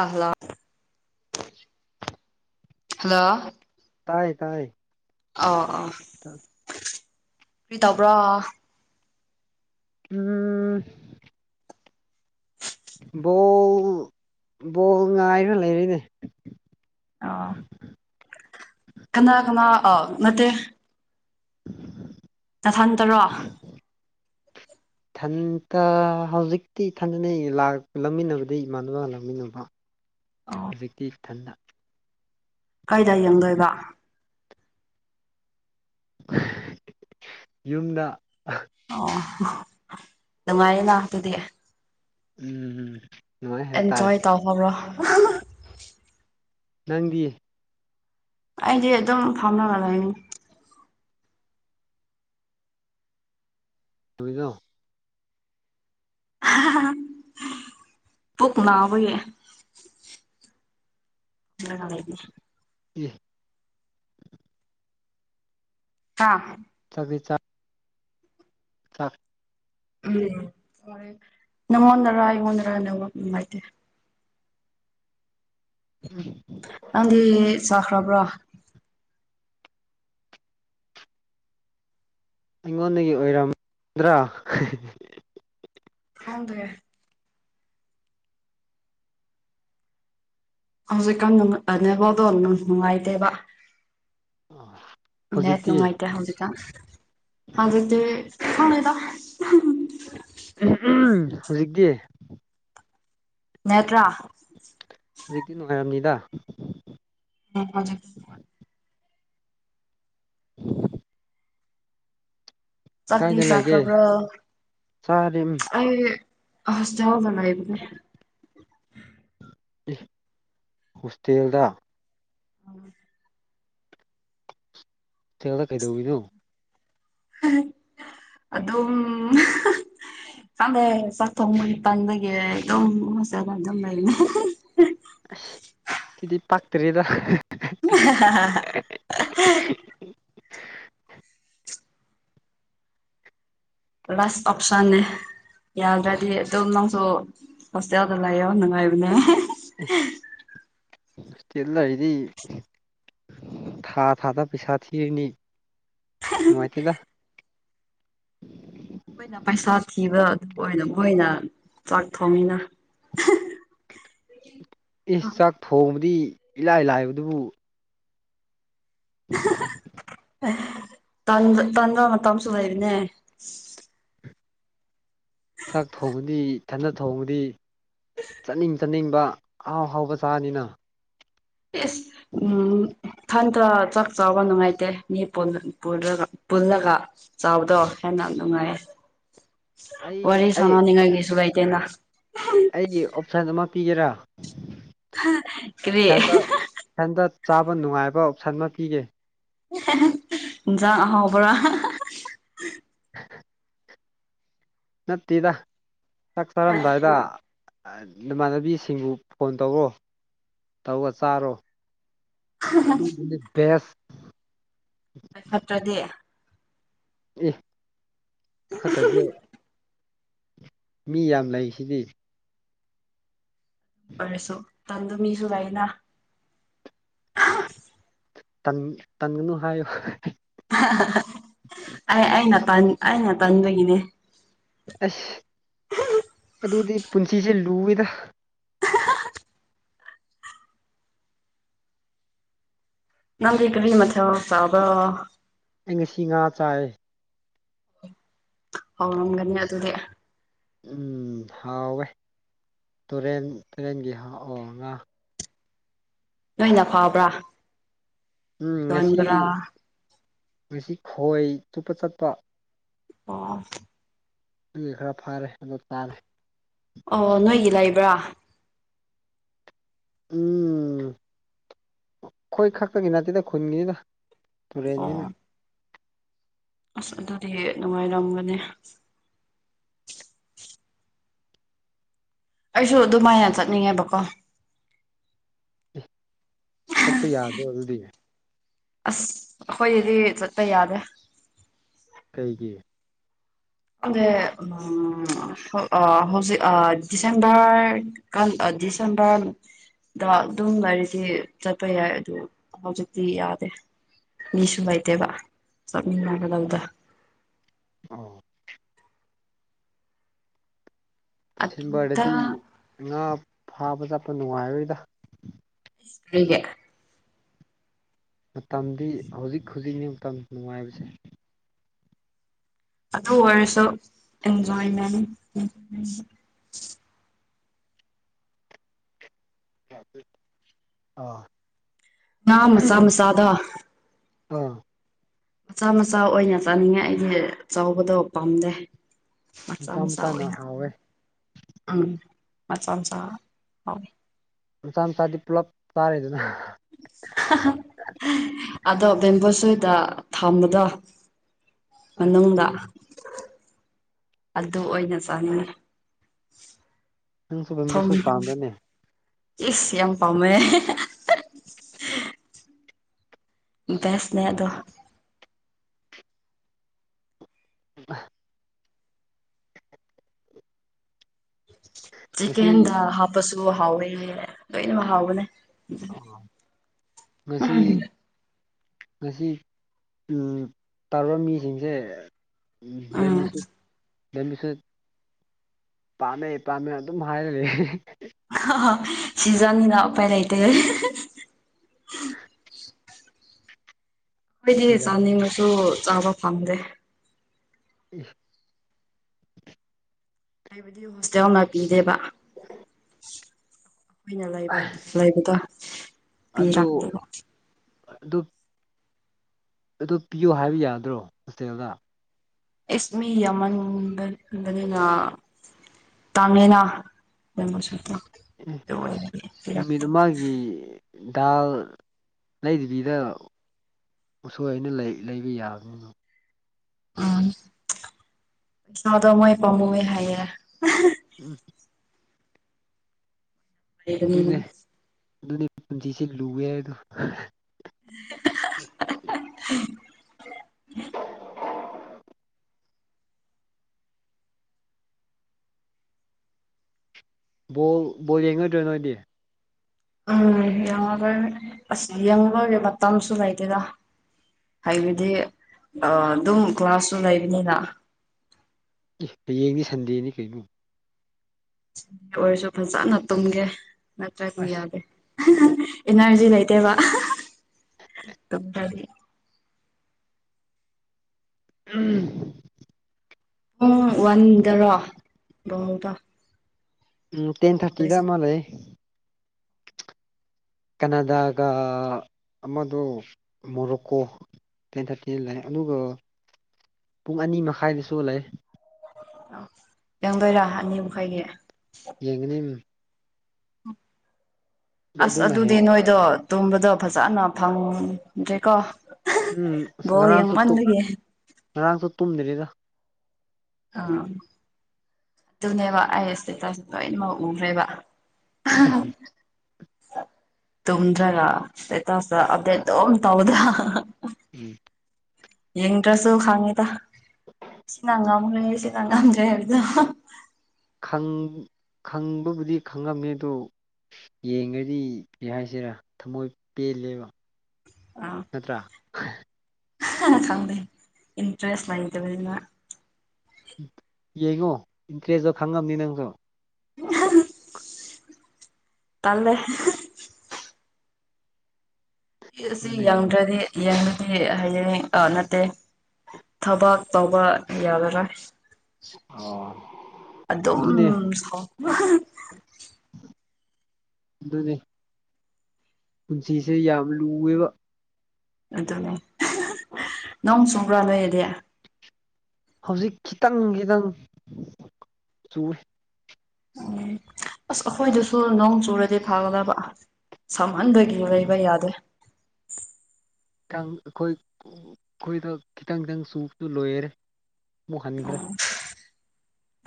ꯑꯍꯂ hello ꯇꯥꯏ ꯇꯥꯏ ꯑ ꯑꯥ ꯀꯔꯤ ꯇꯧꯕ꯭ꯔꯣ ꯎꯝ ꯕꯣꯜ ꯕꯣꯜ ꯉꯥꯏꯔ ꯂꯩꯔꯤꯅꯦ ꯑ ꯀꯅꯥ ꯀꯅꯥ ꯑ ꯅꯠꯇꯦ ꯇꯊꯟ ꯇꯔꯣ ꯊꯟꯇ ꯍꯧꯖꯤꯛꯇꯤ ꯊꯟꯖꯅꯩ ꯂꯥꯛ ꯂꯧꯃꯤꯟꯅꯕꯗꯤ ꯏꯃꯥꯟꯅꯕ ꯂꯧꯃꯤꯟꯅꯕ ꯍꯧꯖꯤꯛꯇꯤ ꯊꯟꯗ ꯀꯥꯏꯗꯥꯏ ꯌꯦꯡꯗꯣꯏꯕ ꯌꯨꯝꯗ ꯑꯣ ꯅꯨꯡꯉꯥꯏꯔꯦꯅ ꯑꯗꯨꯗꯤ ꯎꯝ ꯎꯝ ꯑꯦꯟꯖꯣꯌ ꯇꯥꯎ ꯍꯕ꯭ꯔ ꯅꯪꯗꯤ ꯑꯩꯗꯤ ꯑꯗꯨ ꯑꯗꯨꯝ ꯐꯝꯅꯕꯉꯂꯅꯤ ꯊꯗꯣ ꯄꯨꯛ ꯂꯕꯦ ꯍꯥꯏꯦ ꯌꯦ ꯑ ꯕꯤꯆꯥ ꯑ ꯎꯝ ꯅꯗꯔ ꯏꯉꯗꯔ ꯅꯥꯏꯇꯦ ꯎꯝ ꯅꯪꯗꯤ ꯆꯈ꯭ꯔꯕ꯭ꯔꯣ ꯑꯩꯉꯣꯟꯗꯒꯤ ꯑꯣꯏꯔꯝꯗ꯭ꯔꯥ ꯊꯗꯦ ꯍꯧꯖꯤꯛꯀꯥꯟ ꯅꯕꯣꯗꯣꯅꯨꯡ ꯅꯨꯡꯉꯥꯏꯇꯦꯕ ꯃꯦ ꯍꯧꯖꯤꯛꯇꯤ ꯅꯨꯡꯉꯥꯏꯇꯦ ꯍꯧꯖꯤꯛꯀ ꯍꯧꯖꯤꯛꯛꯇ ꯈꯗ ꯎ ꯍꯧꯖꯤꯛꯀꯤ ꯅꯦꯇ꯭ꯔꯥ ꯍꯧꯖꯤꯛꯇꯤ ꯅꯨꯡꯉꯥꯏꯔꯝꯅꯤꯗ ꯎꯖ [unintelligible] ꯀꯥꯏꯗ ꯆꯇꯅꯤ ꯂꯩꯒꯦ ꯁꯥꯇ꯭ꯔꯕ꯭ꯔꯣ ꯆꯥꯔꯤ ꯑꯩ ꯑꯁ ꯆꯥꯎꯕ ꯂꯕꯅꯦ ꯍꯣꯁꯇꯦꯜꯗ ꯑ ꯊꯗ ꯀꯩꯗꯧꯤꯅꯣ ꯑꯗꯨꯝ ꯍꯗꯩ ꯆꯥꯛ ꯊꯣꯡꯕꯒꯤ ꯇꯪꯗꯒꯤ ꯑꯗꯨꯝ ꯃꯁꯔ ꯑꯗꯨꯝ ꯂꯩꯅꯤ ꯁꯤꯗꯤ ꯄꯥꯛꯇꯔꯤꯗ [unintelligible] [unintelligible] ꯔꯁ ꯑꯣꯞꯁꯟꯅꯦ ꯌꯥꯎꯗ꯭ꯔꯗꯤ ꯑꯗꯨꯝ ꯅꯪꯁꯨ ꯍꯣꯁꯇꯦꯜꯗ ꯂꯩꯌꯣ ꯅꯨꯡꯉꯥꯏꯕꯅꯦ ꯇꯦꯜ ꯂꯔꯤꯗꯤ ꯊꯥ ꯊꯥꯗ ꯄꯩꯁꯥ ꯊꯤꯔꯅꯤ ꯅꯨꯡꯉꯥꯏꯇꯦꯗ [inaudible] ꯑꯩꯈꯣꯏꯅ ꯄꯩꯁꯥ ꯊꯤꯕ ꯑꯗꯨ ꯑꯣꯏꯅ ꯃꯣꯏꯅ ꯆꯥꯛ ꯊꯣꯡꯉꯅ ꯏꯁ ꯆꯥꯛ ꯊꯣꯡꯕꯗꯤ ꯏꯂꯥꯏ ꯂꯥꯏꯕꯗꯨꯕꯨ ꯇꯟ ꯇꯟꯗ ꯃꯇꯝꯁꯨ ꯂꯩꯕꯅꯦ ꯆꯥꯛ ꯊꯣꯡꯕꯗꯤ ꯊꯅ ꯊꯣꯡꯕꯗꯤ ꯆꯥꯠꯅꯤꯡ ꯆꯥꯅꯤꯡ ꯑꯥꯎ ꯍꯥꯎꯕ ꯆꯥꯅꯤꯅ ꯎꯝ ꯊꯟꯊ ꯆꯥꯛ ꯆꯥꯎꯕ ꯅꯨꯡꯉꯥꯏꯇꯦ ꯃꯤ ꯄꯨꯜꯂꯒ ꯆꯥꯎꯕꯗꯣ ꯍꯦꯟꯅ ꯌꯥꯝ ꯅꯨꯡꯉꯥꯏꯌꯦꯦ ꯑꯩ ꯋꯥꯔꯤ ꯁꯥꯟꯅꯅꯤꯡꯉꯥꯏꯒꯤꯁꯨ ꯂꯩꯇꯦꯅ ꯑꯩ ꯑꯣꯞꯁꯟ ꯑꯃ ꯄꯤꯒꯦꯔꯥ ꯀꯔꯤ ꯏꯊꯟꯇ ꯏꯊꯟꯇ ꯆꯥꯕ ꯅꯨꯡꯉꯥꯏꯕ ꯑꯣꯞꯁꯟ ꯑꯃ ꯄꯤꯒꯦ ꯌꯥꯥꯛ ꯑꯍꯥꯎꯄ ꯅꯠꯇꯦꯗ ꯆꯥꯛ ꯆꯔꯝꯗꯥꯏꯗ ꯏꯃꯥꯟꯅꯕꯤꯁꯤꯡꯕꯨ ꯐꯣꯟ ꯇꯧꯔꯣ ꯇꯧꯒ ꯆꯥꯔꯣ ꯑꯗꯨꯗꯨꯗꯤ ꯦꯁ ꯐꯥꯏ ꯐꯠꯇ꯭ꯔꯗꯤ ꯑꯦ ꯈꯠꯇꯗꯤ ꯃꯤ ꯌꯥꯝ ꯂꯩꯁꯤꯗꯤ ꯑꯣꯏꯔꯁꯨ ꯇꯟꯗ ꯃꯤꯁꯨ ꯂꯩꯩꯅ ꯇꯟꯒꯅꯨ ꯍꯥꯏꯌꯣ ꯑꯩ ꯑꯩꯅ ꯑꯩꯅ ꯇꯟꯕꯒꯤꯅꯦ ꯑꯁ ꯑꯗꯨꯗꯤ ꯄꯨꯟꯁꯤꯁꯦ ꯂꯨꯋꯦꯗ ꯅꯝ ꯀꯔꯤ ꯃꯆꯥ ꯁꯥꯕ ꯏꯁꯤ ꯉꯥ ꯆꯥꯏ ꯍꯥꯎꯅꯪꯒꯅꯤ ꯑꯗꯨꯗꯤ ꯎꯝ ꯍꯥꯎꯋꯦ ꯇꯨꯔꯦꯟ ꯇꯨꯔꯦꯟꯒꯤ ꯍꯥꯎ ꯉꯥ ꯅꯣꯏꯟꯅ ꯐꯥꯎꯕ꯭ꯔꯥ ꯎꯝ ꯉꯁꯤ ꯉꯁꯤ ꯈꯣꯏ ꯇꯨꯞꯄ ꯆꯠꯄ ꯑꯣ ꯈꯔ ꯐꯥꯔꯦ ꯇꯥꯔꯦ ꯋꯥ [inaudible] ꯎꯝ ꯈꯣꯏ ꯈꯛꯇꯒꯤ ꯅꯠꯇꯦꯗ ꯈꯨꯟꯒꯤꯅꯤꯗ ꯇꯨꯔꯦꯟꯅꯤꯅ ꯑꯣ ꯑꯁ ꯑꯗꯨꯗꯤ ꯅꯨꯡꯉꯥꯏꯔꯝꯒꯅꯤ ꯑꯩꯁꯨ ꯑꯗꯨꯃꯥꯏꯅ ꯆꯠꯅꯤꯡꯉꯦꯕꯀꯣ ꯆꯠꯄ ꯌꯥꯗꯣ ꯑꯗꯨꯗꯤ ꯑꯁ ꯑꯩꯈꯣꯏꯗꯤ ꯆꯠꯄ ꯌꯥꯗꯦ ꯀꯩꯒꯤ ꯑꯗꯦ ꯎ ꯑ ꯍꯧꯖꯤꯛ ꯑ ꯁꯦꯝꯕꯔ ꯀ ꯁꯝꯕ ꯑ ꯑꯗꯨꯝ ꯂꯩꯔꯤꯗꯤ ꯆꯠꯄ ꯌꯥꯏ ꯑꯗꯨ ꯍꯧꯖꯤꯛꯇꯤ ꯌꯥꯗꯦ ꯃꯤ ꯁꯨꯝꯕꯥꯏꯇꯦꯕ ꯁꯠꯅꯤꯡꯒꯗꯧꯕꯗ ꯑ ꯑꯗꯨꯗ ꯁꯦꯝꯕꯔꯗꯤ ꯉꯥ ꯐꯥꯕ ꯆꯠꯄ ꯅꯨꯡꯉꯥꯏꯔꯣꯏꯗ ꯍꯒꯦ ꯃꯇꯝꯗꯤ ꯍꯧꯖꯤꯛ ꯍꯧꯖꯤꯛꯅꯤ ꯃꯇꯝ ꯅꯨꯡꯉꯥꯏꯕꯁꯦ ꯑꯗꯨ ꯑꯣꯏꯔꯁꯨ ꯑꯦꯟꯖꯣꯏꯃꯦꯟ ꯑ ꯉ ꯃꯁ ꯃꯁꯥꯗ ꯑꯥ ꯃꯆꯥ ꯃꯆꯥ ꯑꯣꯏꯅ ꯆꯥꯅꯤꯡꯉꯦ ꯑꯩꯗꯤ ꯆꯥꯎꯕꯗꯣ ꯄꯥꯝꯗꯦ ꯃꯆꯥ ꯃꯆꯥꯥ ꯃꯆꯥꯅ ꯑꯣꯏꯅ ꯍꯥꯎꯋꯦ ꯎꯝ ꯃꯆꯝꯆꯥ ꯍ ꯃꯆꯥ ꯃꯆꯥꯗꯤ ꯄꯨꯂꯞ ꯇꯥꯔꯦꯗꯅ ꯑꯗꯣ ꯕꯦꯝꯕꯣꯁꯣꯏꯗ ꯊꯝꯕꯗꯣ ꯑꯁ ꯃꯅꯨꯡꯗ ꯑꯗꯨ ꯑꯣꯏꯅ ꯆꯥꯉꯤ ꯅꯪꯁꯨ ꯦꯝꯕꯨꯨꯁ ꯄꯥꯝꯗꯅꯦ ꯏꯁ ꯌꯥꯝ ꯄꯥꯝꯃꯦ ꯁꯅꯦꯗ [unintelligible] ꯉꯁꯤ ꯆꯤꯀꯦꯟꯗ ꯍꯥꯞꯄꯁꯨ ꯍꯥꯎꯋꯦ ꯂꯣꯏꯅꯃꯛ ꯍꯥꯎꯒꯅꯦ ꯃꯁꯤꯁꯤ ꯉꯁꯤ ꯇꯧꯔꯕ ꯃꯤꯁꯤꯡꯁꯦ ꯎꯝ ꯃꯤꯁꯤ ꯑꯗꯨꯝꯕꯤꯁꯨ ꯄꯥꯝꯅꯩ ꯄꯥꯝꯃꯦ ꯑꯗꯨꯝ ꯍꯥꯏꯔꯗꯤ ꯑ ꯁꯤꯖꯅꯤꯅ ꯎꯄꯥꯏ ꯂꯩꯇ ꯑꯩꯈꯣꯏꯗꯤ ꯆꯥꯅꯤꯡꯕꯁꯨ ꯆꯥꯕ ꯐꯪꯗꯦ ꯎ ꯍꯥꯏꯕꯗꯤ ꯍꯣꯁꯇꯦꯜ ꯑꯃ ꯄꯤꯗꯦꯕ ꯑꯩꯅ ꯂꯩꯕ ꯂꯩꯕ ꯇ ꯄꯤ ꯔꯥꯛꯇꯕ ꯑꯗꯨꯗꯨ ꯑꯗꯨ ꯄꯤꯌꯨ ꯍꯥꯏꯕ ꯌꯥꯗ꯭ꯔꯣ ꯍꯣꯇꯦꯜꯗ ꯑꯦꯁ ꯃꯤ ꯌꯥꯝꯃꯟꯕꯟꯕꯅꯤꯅ ꯇꯥꯡꯉꯦꯅ ꯗꯃꯣ ꯁꯇ ꯑꯦ ꯅꯨꯃꯤꯠ ꯑꯃꯒꯤꯒꯤ ꯗꯥꯜ ꯂꯩꯕꯤꯗ ꯎꯁꯣꯏ ꯑꯅ ꯂꯩꯕ ꯌꯥꯕꯅꯤꯅ ꯎꯝ ꯁꯥꯗ ꯃꯣꯏ ꯄꯝꯝꯕꯋ ꯍꯥꯏꯔ ꯎꯝ ꯍꯥꯏ ꯑꯗꯨꯅꯦ ꯑꯗꯨꯅꯦ ꯄꯨꯟꯁꯤꯁꯦ ꯂꯨꯋꯦ ꯍꯥꯏꯗꯣ [unintelligible] ꯕꯣꯜ ꯕꯣꯜ ꯌꯦꯡꯉꯣꯏꯗ꯭ꯔꯣꯏ ꯅꯣꯏꯗꯤ ꯎꯝ ꯌꯦꯡꯉꯒꯣꯏ ꯑꯁ ꯌꯦꯡ ꯂꯣꯏꯔꯦ ꯃꯇꯝ ꯑꯃꯁꯁꯨ ꯂꯩꯗꯦꯗ ꯍꯥꯏꯕꯗꯤ ꯑꯗꯨꯝ ꯀ꯭ꯂꯥꯁꯁꯨ ꯂꯩꯕꯅꯤꯅ ꯑꯦ ꯍꯌꯦꯡꯗꯤ ꯁꯟꯗꯦꯅꯤ ꯀꯩꯅꯣ ꯑꯣꯏꯔꯁꯨ ꯐꯖꯅ ꯇꯨꯝꯒꯦ ꯅꯠꯇ꯭ꯔꯗꯤ ꯑꯁ ꯌꯥꯗꯦ ꯏꯅꯔꯖꯤ ꯂꯩꯇꯦꯕ ꯎꯝ ꯄꯨꯡ ꯋꯥꯟꯗꯔꯣ ꯅꯣꯡꯗ ꯎꯝ ꯇꯦꯟ ꯊꯥꯔꯇꯤꯗ ꯃꯥꯜ ꯂꯩꯦ ꯀꯅꯥꯗꯒ ꯑꯃꯗꯣ ꯃꯣꯔꯣꯛꯀꯣ ꯇꯦꯟ ꯊꯥꯔꯇꯤ ꯂꯥꯛꯑ ꯑꯗꯨꯒ ꯄꯨꯡ ꯑꯅꯤ ꯃꯈꯥꯏꯗꯁꯨ ꯂꯩ ꯌꯥꯪꯗꯣꯏꯔꯥ ꯑꯅꯤꯃꯈꯥꯏꯒꯤ ꯌꯦꯉꯅꯦ ꯑꯗꯨ ꯑꯁ ꯑꯗꯨꯅ ꯑꯗꯨꯗꯤ ꯍꯦꯛ ꯅꯣꯏꯗꯣ ꯇꯨꯝꯕꯗꯣ ꯐꯖꯅ ꯐꯪꯗ꯭ꯔꯤꯀꯣ ꯎꯝ ꯑꯁ ꯉꯔꯥꯡꯁꯨ ꯉꯔꯥꯡꯁꯨ ꯇꯨꯝꯗ꯭ꯔꯤꯗ ꯑꯥ ꯑꯗꯨꯅꯦꯕ ꯑꯩ ꯏꯁꯇꯦꯇꯥ ꯂꯣꯏꯅꯃꯛ ꯎꯈ꯭ꯔꯦꯕ ꯑ ꯇꯨꯝꯗ꯭ꯔꯒꯇ ꯑꯇ ꯑꯗꯨꯝ ꯇꯧꯗ꯭ꯔꯥ ꯎꯝ ꯌꯦꯡ ꯗ꯭ꯔꯦꯁꯨ ꯈꯥꯡꯉꯗ ꯁꯤꯅꯥꯪꯒꯥ ꯃ ꯁꯤꯅꯥꯒꯥꯝꯖ ꯍꯥꯏꯗ ꯈꯪꯕꯕꯨꯗꯤ ꯈꯪꯉꯝꯃꯤ ꯑꯗꯨ ꯌꯦꯡꯒꯗꯤ ꯍꯥꯏꯁꯤꯔꯥ ꯊꯝꯃꯣꯏ ꯄꯦꯜꯂꯦꯕ ꯅꯠꯇ꯭ꯔꯥ ꯆꯪꯗꯦ ꯏꯟꯇ꯭ꯔꯦꯁ ꯂꯥꯏꯇꯕꯅ ꯌꯦꯡꯉꯣ ꯏꯟꯇꯔꯦꯁꯇꯣ ꯈꯪꯉꯝꯅꯤ ꯅꯪꯁꯨ ꯇꯦ ꯑꯁꯤ ꯑꯗꯨꯅꯦ ꯌꯦꯡꯗ꯭ꯔꯗꯤ ꯌꯦꯡꯕꯗꯤ ꯍꯌꯦꯌꯦꯡ ꯅꯠꯇꯦ ꯊꯕꯛ ꯇꯧꯕ ꯌꯥꯒꯔꯥ ꯑꯣ ꯑꯗꯨꯝ ꯑꯗꯨꯅꯦ ꯑꯗꯨꯅꯦ ꯄꯨꯟꯁꯤꯁꯦ ꯌꯥꯝ ꯂꯨꯑꯦꯕ ꯑꯗꯨꯅꯦ ꯅꯪ ꯁꯣꯡꯕ꯭ꯔꯥ ꯂꯩꯣꯏꯌꯦꯗꯤ ꯍꯧꯖꯤꯛ ꯈꯤꯇꯪ ꯈꯤꯇꯪ ꯆꯨꯏ ꯎꯝ ꯑꯁ ꯑꯩꯈꯣꯏꯗꯨꯁꯨ ꯅꯣꯡ ꯆꯨꯔꯗꯤ ꯐꯥꯒꯗꯕ ꯁꯃꯟꯕꯒꯤ ꯂꯩꯕ ꯌꯥꯗꯦ ꯈꯤꯇꯪ ꯑꯩꯈꯣꯏ ꯑꯩꯈꯣꯏꯗ ꯈꯤꯇꯪ ꯈꯤꯇꯪ ꯁꯨꯁꯨ ꯂꯣꯏꯔꯔꯦ ꯑꯣ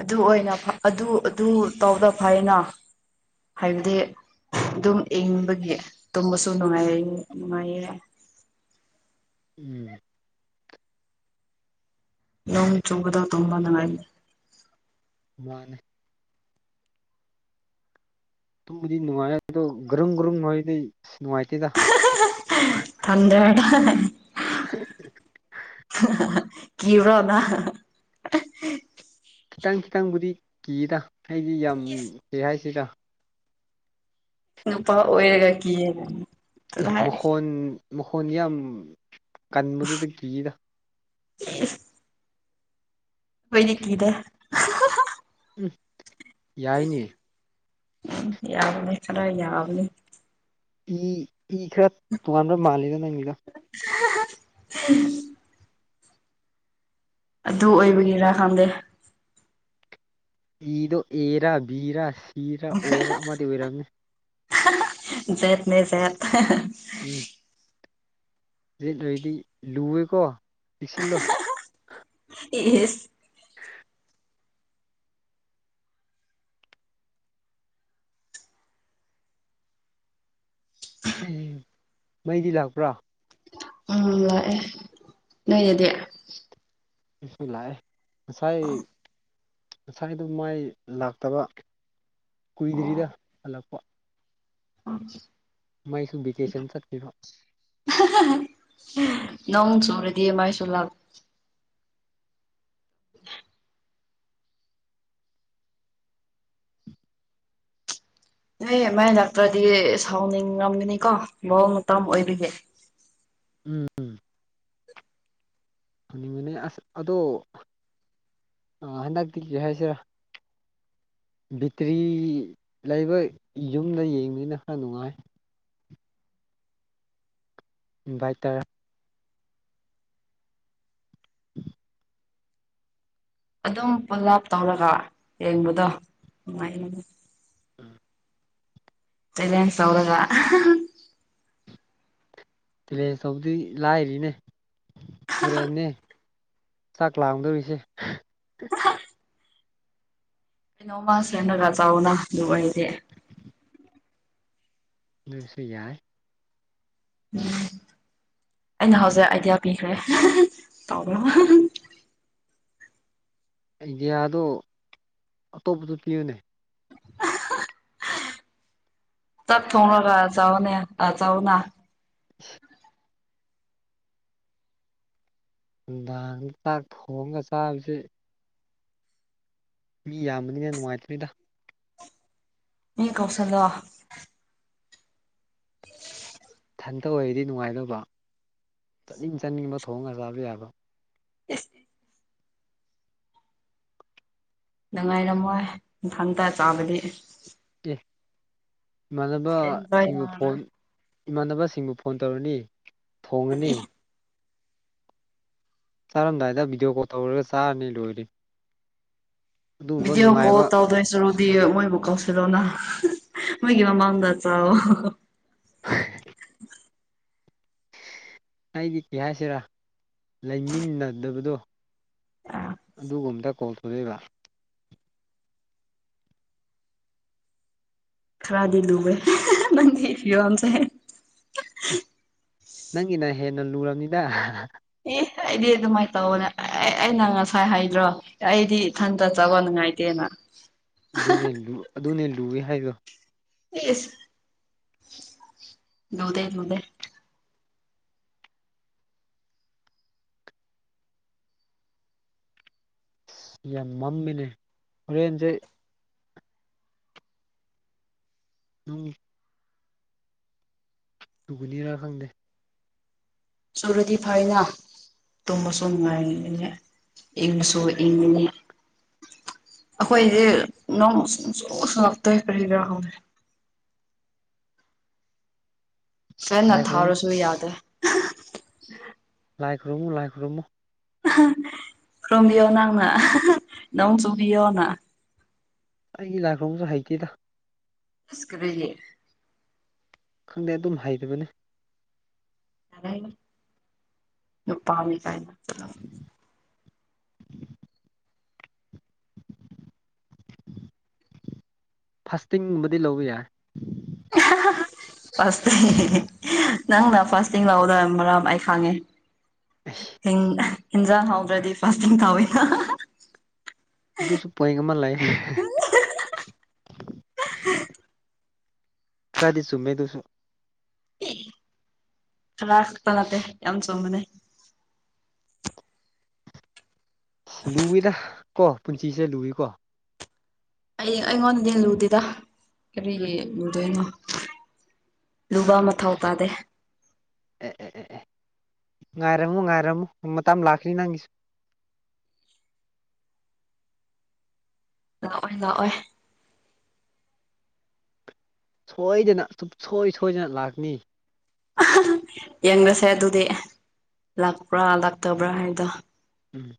ꯑꯗꯨ ꯑꯣꯏꯅ ꯑꯗꯨ ꯑꯗꯨ ꯇꯧꯗ ꯐꯥꯏꯅ ꯍꯥꯏꯗꯤ ꯑꯗꯨꯝ ꯏꯪꯕꯒꯤ ꯇꯨꯝꯕꯁꯨ ꯅꯨꯡꯉꯥꯏ ꯅꯨꯡꯉꯥꯏꯌꯦ ꯎꯝ ꯅꯣꯡ ꯆꯕꯗ ꯇꯝꯕꯗ ꯜ ꯃꯥꯅꯦ ꯇꯨꯡꯕꯨꯗꯤ ꯅꯨꯡꯉꯥꯏꯔꯗꯣ ꯒ꯭ꯔꯨꯝ ꯒ꯭ꯔꯨꯝ ꯅꯨꯡꯉꯥꯏꯗꯩ ꯑꯁ ꯅꯨꯡꯉꯥꯏꯇꯦꯗ ꯊꯟꯗ ꯀꯔꯣꯅꯥ ꯈꯤꯇꯪ ꯈꯤꯇꯪꯕꯨꯗꯤ ꯀꯤꯗ ꯑꯩꯗꯤ ꯌꯥꯝ ꯀꯤ ꯍꯥꯏꯁꯤꯔ ꯅꯨꯄꯥ ꯑꯣꯏꯔꯒ ꯀ ꯑꯦ ꯃꯈꯣꯟ ꯃꯈꯣꯟꯁ ꯌꯥꯝ ꯀꯟꯕꯗꯨꯗ ꯀꯤꯔ [unintelligible] ꯅꯤ ꯀꯤꯗꯦ ꯌꯥꯏꯅꯦ ꯎ ꯌꯥꯕꯅꯤ ꯈꯔ ꯌꯥꯕꯅꯤ ꯏ ꯏ ꯈꯔ ꯇꯨꯡꯉꯥꯟꯥꯟꯕ ꯃꯥꯜꯅ ꯅꯪꯉꯂ [unintelligible] ꯑꯗꯨ ꯑꯣꯏꯕꯒꯤꯔꯥ ꯈꯪꯗꯦ ꯏꯗꯣ ꯑꯦꯔꯥ ꯕꯤꯔꯥ ꯁꯤꯔ ꯑꯣꯔ ꯑꯃꯗꯤ ꯑꯣꯏꯔꯝꯃꯤ ꯠ ꯅꯖꯠ ꯎꯝ ꯌꯦꯠꯂꯣꯏꯗꯤ ꯂꯨꯑꯦꯀꯣ ꯄꯤꯛꯁꯤꯜꯗꯣ ꯏ ꯍ ꯃꯩꯗꯤ ꯂꯥꯛꯄ꯭ꯔꯥ ꯎꯝ ꯂꯥꯛꯑꯦ ꯅꯣꯏꯅꯦꯗꯤ ꯂꯥꯛꯑꯦ ꯉꯁꯥꯏ ꯉꯁꯥꯏꯗꯣ ꯃꯥꯏ ꯂꯥꯛꯇꯕ ꯀꯨꯏꯗ꯭ꯔꯤꯗ ꯍꯜꯂꯛꯄ ꯎꯝ ꯃꯥꯏꯁꯨ ꯚꯦꯀꯦꯁꯟ ꯆꯠꯄꯤꯈꯤꯕ ꯅꯣꯡ ꯆꯣ꯭ꯔꯗꯤ ꯃꯥꯥꯏꯁꯨꯂꯒ [unintelligible] ꯅ ꯃꯥꯏ ꯅꯥꯛꯇ꯭ꯔꯗꯤ ꯁꯥꯎꯅꯤꯡꯉꯝꯒꯅꯤꯀꯣ ꯃꯑꯣꯡ ꯃꯇ ꯑꯣꯏꯕꯤꯒꯦ [unintelligible] ꯎꯝꯝ ꯅꯨꯅꯤꯃꯤꯠꯅꯤ ꯑꯁ ꯑꯗꯣ ꯍꯟꯗꯛꯇꯤ ꯀ ꯍꯥꯏꯁꯤꯔꯥ ꯕꯦꯇ꯭ꯔꯤ ꯂꯩꯕ ꯌꯨꯝꯗ ꯌꯦꯡꯕꯅꯤꯅ ꯈ ꯅꯨꯡꯉꯥꯏ ꯚꯏ ꯇꯔꯥ ꯑꯗꯨꯝ ꯄꯨꯂꯞ ꯇꯧꯔꯒ ꯌꯦꯡꯕꯗꯣ ꯅꯨꯡꯉꯥꯏꯉ ꯆꯂꯦꯟ ꯁꯧꯔꯒ ꯇꯂꯦꯖ ꯇꯧꯕꯗꯤ ꯂꯥꯏꯔꯤꯅꯦ ꯍꯣꯔꯦꯟꯅ ꯆꯥꯛ ꯂꯥꯡꯗꯧꯔꯤꯁꯦ ꯀꯩꯅꯣꯃ ꯁꯦꯅꯒ ꯆꯥꯎꯅ ꯑꯗꯨ ꯑꯣꯏꯗꯤꯦ ꯁꯤ ꯌꯥꯏ ꯎꯝ ꯑꯩꯅ ꯍꯧꯖꯤꯛ ꯑꯥꯏꯗꯤꯌꯥ ꯄꯤꯈ꯭ꯔꯦ ꯇ ꯑꯥꯏꯗꯤꯌꯥꯗꯣ ꯑꯇꯣꯞꯄꯗ ꯄꯤꯌꯨꯅꯦ ꯇꯠ ꯊꯣꯡꯅꯒ ꯆꯅꯦ ꯑ ꯆꯣꯅꯥ [unintelligible] ꯆꯥꯛ ꯊꯣꯡꯒ ꯆꯥꯕꯁꯤ ꯃꯤ ꯌꯥꯝꯕꯅꯤꯅ ꯅꯨꯡꯉꯥꯏꯇꯅꯤꯗ ꯃꯤ ꯀꯧꯁꯜ ꯋꯥ ꯎ ꯍꯟꯊ ꯑꯣꯏꯩꯗꯤ ꯅꯨꯡꯉꯥꯏꯇꯕ ꯆꯠꯅꯤꯡ ꯆꯠꯅꯤꯡꯕ ꯊꯣꯡꯉꯒ ꯆꯥꯕ ꯌꯥꯕ ꯑ ꯉꯥꯏꯔꯝꯃꯣꯏ ꯏꯪꯊꯥꯡꯇ ꯆꯥꯕꯗꯤ ꯏꯃꯥꯟꯅꯕ ꯑꯦꯟꯖꯣꯏ ꯁꯤꯡꯕꯨ ꯐꯣꯟ ꯇꯧꯔꯔꯣꯏ ꯏꯃꯥꯟꯅꯕꯁꯤꯡꯕꯨ ꯐꯣꯟ ꯇꯧꯔꯅꯤ ꯊꯣꯡꯉꯅꯤ ꯆꯥꯔꯝꯗꯥꯏꯗ ꯚꯤꯗꯤꯑꯣ ꯀꯣꯜ ꯇꯧꯔꯒ ꯆꯥꯔꯅꯤ ꯂꯣꯏꯔꯦ ꯑꯗꯨꯒꯨꯝꯕ ꯗꯤ ꯀꯣ ꯅꯨꯡꯉꯥꯏꯕ ꯇꯗꯣꯁꯨꯔ ꯗꯤ ꯃꯣꯏꯕꯨ ꯀꯥꯎꯁꯤꯜꯂꯣꯅ ꯃꯣꯏꯒꯤ ꯃꯃꯥꯡꯗ ꯆꯣ ꯍ ꯎ ꯑꯩꯗꯤ ꯀꯩ ꯍꯥꯏꯁꯤꯔꯥ ꯂꯩꯃꯤꯟꯅꯗꯕꯗꯣ ꯑꯗꯨꯒꯨꯝꯕꯇ ꯀꯣꯜ ꯇꯧꯖꯛꯏꯕ ꯈꯔꯗꯤ ꯂꯨꯕ ꯅ ꯌꯝꯁꯦ ꯅꯪꯒꯤꯅ ꯍꯦꯟꯅ ꯂꯨꯔꯕꯅꯤꯗ ꯑꯦ ꯑꯩꯗꯤ ꯑꯗꯨꯃꯥꯏꯅ ꯇꯧꯕꯅꯦ ꯑꯦ ꯑꯩꯅ ꯉꯁꯥꯏ ꯍꯥꯏꯗ꯭ꯔꯣ ꯑꯩꯗꯤ ꯏꯊꯟꯇ ꯆꯕ ꯅꯨꯡꯉꯥꯏꯇꯦꯅ ꯑ ꯑꯗꯨꯅꯦ ꯑꯗꯨꯅꯦ ꯂꯨꯏꯦ ꯍꯥꯏꯗꯣ ꯑꯦ ꯂꯗ ꯅꯗ ꯑ ꯌꯥꯝ ꯃꯝꯃꯤꯅꯦ ꯍꯣꯔꯦꯟꯁꯦ ꯅꯪꯒꯤ ꯁꯨꯒꯅꯤꯔꯥꯔ ꯈꯪꯗꯦ ꯁꯨꯔꯨꯗꯤ ꯐꯥꯏꯅ ꯇꯃꯁꯨꯨꯝꯃꯥꯏꯅꯦ ꯏꯪꯁꯨꯣ ꯏ ꯑꯩꯈꯣꯏꯗꯤ ꯅꯣꯡ ꯁ ꯁ ꯁꯨꯡꯂꯛꯇꯣꯏ ꯀꯔꯤ ꯀꯔꯥ ꯍꯪꯗꯦ ꯐꯦꯟꯅ ꯂꯥꯏ ꯈꯨꯔꯨꯝꯃꯨ ꯊꯥꯔꯨꯁꯨ ꯌꯥꯗꯦ ꯂꯥꯏꯛ ꯔꯨꯃꯨ ꯂꯥꯏꯛ ꯔꯨꯝꯃꯨ ꯔ꯭ꯔꯨꯝꯕꯤꯌꯣ ꯅꯪꯅ ꯅꯣꯡ ꯆꯕꯤꯌꯅ ꯑꯩꯒꯤ ꯂꯥꯛꯈꯝꯁꯨ ꯍꯩꯇꯦꯗ ꯁ ꯀꯦ ꯈꯪꯗꯦ ꯑꯗꯨꯝ ꯍꯩꯕꯅꯤ ꯅꯨꯄꯥꯃꯤ ꯀꯥꯏꯥꯛ ꯐꯥꯁꯇꯤꯡꯒꯨꯝꯕꯗꯤ ꯂꯧꯕ ꯌꯥꯏ [unintelligible] ꯐꯇꯤꯡ ꯅꯪꯅ ꯐꯥꯁꯇꯤꯡ ꯂꯧꯥꯛꯗ ꯃꯔꯝ ꯑꯩ ꯈꯥꯡꯉꯦ ꯍ ꯍꯟꯖꯥ ꯍꯥꯎꯕ꯭ꯔꯗꯤ ꯐ ꯀꯕꯅ ꯑꯗꯨꯁꯨ ꯄꯣꯏꯟ ꯑꯃ ꯂꯩꯑ ꯈꯔꯗꯤꯁꯨꯨꯃꯦꯗꯨꯁꯨ ꯈꯥꯛꯄꯂꯇꯦ ꯌꯥꯝ ꯆꯣꯝꯕꯅꯦ ꯂꯨꯏꯗ ꯀꯣ ꯄꯨꯟꯁꯤꯁꯦ ꯂꯨꯏꯀꯣ ꯑꯩ ꯑꯩꯉꯣꯟꯗ ꯂꯨꯗꯦꯗ ꯎꯝ ꯀꯔꯤꯒꯤ ꯂꯨꯗꯣꯏꯅꯣ ꯂꯨꯕ ꯃꯊꯧ ꯑꯦ ꯇꯥꯗꯦ ꯑꯦ ꯑꯦ ꯑꯦ ꯑꯦ ꯉꯥꯏꯔꯝꯃꯨ ꯉꯥꯏꯔꯝꯃꯨꯨ ꯃꯇ ꯑꯃ ꯂꯥꯛꯈ꯭ꯔꯤ ꯅꯪꯒꯤꯁꯨ [unintelligible] ꯂꯥꯛꯑꯣꯏ ꯂꯥꯛꯑꯣꯏ ꯁꯣꯏꯗꯅ ꯁꯨꯡꯁꯣꯏ ꯁꯣꯏꯗꯅ ꯂꯥꯛꯅꯤ ꯌꯦꯡꯕꯁꯦ ꯑꯗꯨꯗꯤ ꯂꯥꯛꯄ꯭ꯔꯥ ꯂꯥꯛꯇꯕ꯭ꯔꯥ ꯍꯥꯏꯗꯣ ꯎꯝ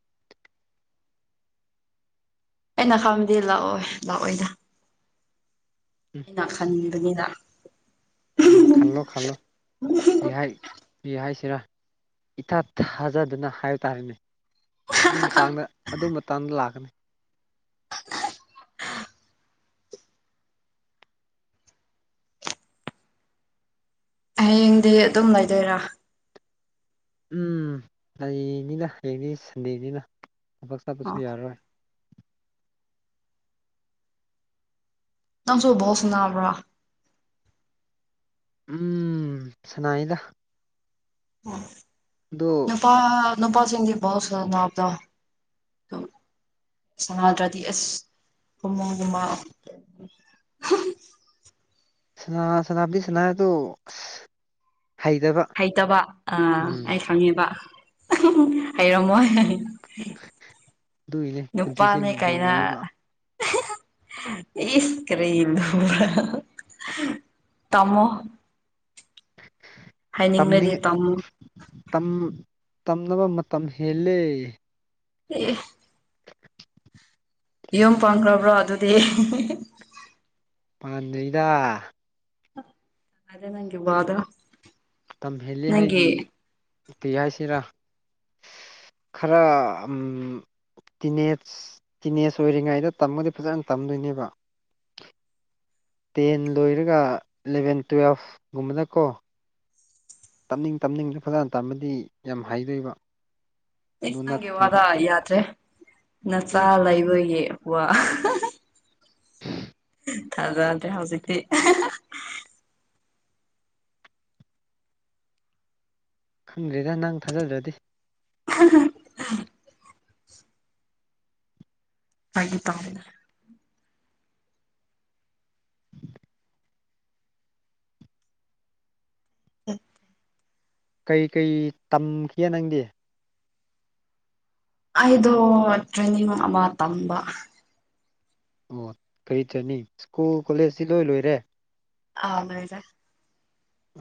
ꯑꯩꯅ ꯈꯪꯕꯗꯤ ꯂꯥꯛꯑꯣꯏ ꯂꯥꯛꯑꯣꯏꯗ ꯎꯝ ꯑꯩꯅ ꯎꯝ ꯈꯟꯕꯉꯅꯤꯗ ꯎꯝ ꯈꯜꯂꯣ ꯈꯜꯂꯣ ꯁꯤꯔꯥ ꯏꯊꯥ ꯊꯥꯖꯗꯨꯅ ꯍꯥꯏꯕ ꯇꯥꯔꯦꯅꯦ ꯑꯗꯨ ꯃꯇꯥꯡꯗ ꯑꯗꯨ ꯇꯟ ꯂꯥꯛꯅꯤ [unintelligible] ꯍꯌꯦꯡꯗꯤ ꯑꯗꯨꯝ ꯂꯩꯗꯣꯏꯔꯥ ꯎꯝ ꯂꯩꯅꯤꯅ ꯍꯌꯦꯡꯅꯤ ꯁꯟꯗꯦꯅꯤꯅ ꯊꯕꯛ ꯆꯠꯄꯁꯨ ꯑꯣ ꯌꯥꯔꯔꯣꯏ ꯅꯪꯁꯨꯣꯕꯣ ꯁꯅꯕ꯭ꯔꯥ ꯎꯝ ꯁꯅꯥꯏꯗ ꯑꯗꯣ ꯅꯨꯄꯥ ꯅꯨꯄꯥꯁꯤꯡꯒꯤ ꯣ ꯁꯅꯞꯗ ꯁꯅꯥꯗ꯭ꯔꯗꯤ ꯑꯁ ꯍꯃ ꯑꯗꯨꯃ ꯁꯅ ꯁꯅꯥꯞꯄꯤ ꯁꯅꯥ ꯇ ꯍꯩꯇꯕ ꯑ ꯑꯩ ꯈꯪꯉꯦꯕ ꯍꯩꯔꯝꯃꯣ ꯍꯥꯏꯅꯅꯤ ꯑꯗꯨꯒꯤꯅꯦ ꯄꯨꯟꯁꯤꯁꯦ ꯅꯨꯄꯥꯅꯦ ꯀꯥꯏꯅ ꯂꯨꯏꯌꯦꯕ ꯏ ꯏꯁ ꯀꯔꯤꯦꯗꯨ ꯇꯃꯣ ꯍꯥꯏꯅꯤꯡꯕꯗꯤ ꯇꯝꯅꯤꯡ ꯇꯝꯃꯣ ꯇꯝꯅꯕ ꯃꯇꯝ ꯍꯦꯜꯂꯦ ꯎꯝ ꯌꯨꯝ ꯄꯪꯈ꯭ꯔꯕ꯭ꯔꯣ ꯑꯗꯨꯗꯤ ꯄꯥꯟꯖꯩꯗ ꯑꯔꯦ ꯅꯪꯦ ꯕꯥꯗ ꯇꯝꯍꯦꯜꯂꯤ ꯍꯥꯏꯗꯤ ꯎ ꯀ ꯍꯥꯏꯁꯤꯔꯥ ꯈꯔ ꯎꯝ ꯇꯤꯅꯦꯖ ꯇꯤꯅꯦꯖ ꯑꯣꯏꯔꯤꯉꯩꯗ ꯇꯝꯃꯗꯤ ꯐꯖꯅ ꯇꯝꯗꯣꯏꯅꯦꯕ ꯇꯦꯟ ꯂꯣꯏꯔꯒ ꯏꯂꯚꯦꯟ ꯇꯨꯋꯦꯜꯐꯒꯨꯝꯕꯅ ꯀꯣ ꯇꯞꯅꯤꯡ ꯇꯞꯅꯤꯡꯗ ꯐꯖꯅ ꯇꯝꯕꯗꯤ ꯌꯥꯝ ꯍꯥꯏꯗꯣꯏꯕ ꯁ ꯅꯪꯒꯦ ꯋꯥꯔ ꯌꯥꯗ꯭ꯔꯦ ꯅꯆꯥ ꯎꯝ ꯂꯩꯕꯌꯦꯀ ꯊꯥꯖꯗꯦ ꯍꯧꯖꯤꯛꯇꯤ ꯈꯪꯗ꯭ꯔꯦꯗ ꯅꯪ ꯊꯥꯖꯗ꯭ꯔꯗꯤ ꯍ ꯍꯥꯏ ꯇꯝꯅ ꯀꯩꯀꯩ ꯇꯝꯈꯤꯦ ꯅꯪꯗꯤ ꯑꯩꯗꯣ ꯇ꯭ꯔꯅꯤꯡꯕꯥ ꯇꯝꯕ ꯑꯣ ꯀꯔꯤꯇꯅꯤ ꯁ꯭ꯀꯨꯜ ꯀꯣꯂꯦꯖꯁꯤ ꯂꯣꯏ ꯂꯣꯏꯔꯦ ꯑꯉꯗꯦ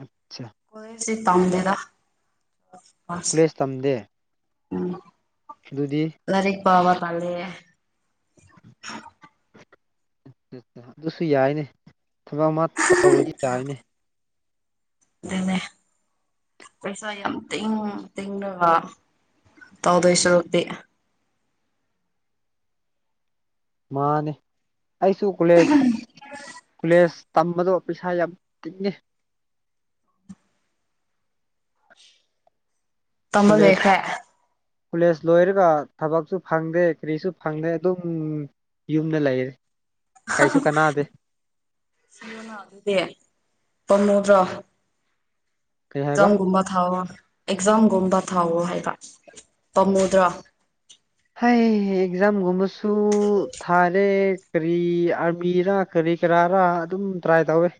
ꯑꯆꯥ ꯑꯩ ꯆꯦ ꯇꯗꯗ ꯀꯂꯦꯁ ꯇꯝꯗꯦ ꯎꯝ ꯑꯗꯨꯗꯨꯗꯤ ꯄꯕꯥ ꯀꯂꯦ ꯑꯗꯨꯁꯨ ꯌꯥꯏꯅꯦ ꯊꯕꯛ ꯑꯃ ꯇꯧꯔꯗꯤ ꯌꯥꯏꯅꯦ ꯑꯗꯨꯅꯦ ꯄꯩꯁꯥ ꯌꯥꯝ ꯇꯤꯡ ꯇꯤꯡꯉꯒ ꯇꯧꯗꯣꯏ ꯁꯔꯨꯛꯇꯤ ꯃꯥꯅꯦ ꯑꯩꯁꯨ ꯀꯣꯂꯦꯖ ꯀꯣꯂꯦꯖ ꯇꯝꯕꯗꯣ ꯄꯩꯁꯥ ꯌꯥꯝ ꯇꯤꯡꯉꯦ ꯀꯣꯂꯦꯖ ꯇꯝꯕꯗꯦꯈ ꯀꯣꯂꯦꯖ ꯂꯣꯏꯔꯒ ꯊꯕꯛꯁꯨ ꯐꯪꯗꯦ ꯀꯔꯤꯁꯨ ꯐꯪꯗꯦ ꯑꯗꯨꯝ ꯌꯨꯝꯗ ꯂꯩꯔꯦ ꯀꯩꯁꯨ ꯀꯅꯥꯗꯦ ꯑꯗꯨꯗꯦ ꯐꯝꯃꯨꯗ꯭ꯔꯥ ꯀꯩ ꯍꯥꯏꯕ ꯝ ꯨꯃꯣ ꯊꯥꯎꯣ ꯑꯦꯛꯖꯥꯝꯒꯨꯝꯕ ꯊꯥꯎꯋꯣ ꯍꯥꯏꯕ ꯄꯥꯝꯃꯨꯗ꯭ꯔꯣ ꯍꯥꯏ ꯑꯦꯛꯖꯥꯝꯒꯨꯝꯕꯁꯨ ꯊꯥꯔꯦ ꯀꯔꯤ ꯑꯥꯔꯃꯤꯔꯥ ꯀꯔꯤ ꯀꯔꯤ ꯀꯔꯥꯔ ꯑꯗꯨꯝ ꯇ꯭ꯔꯥꯏ ꯇꯧꯏꯤ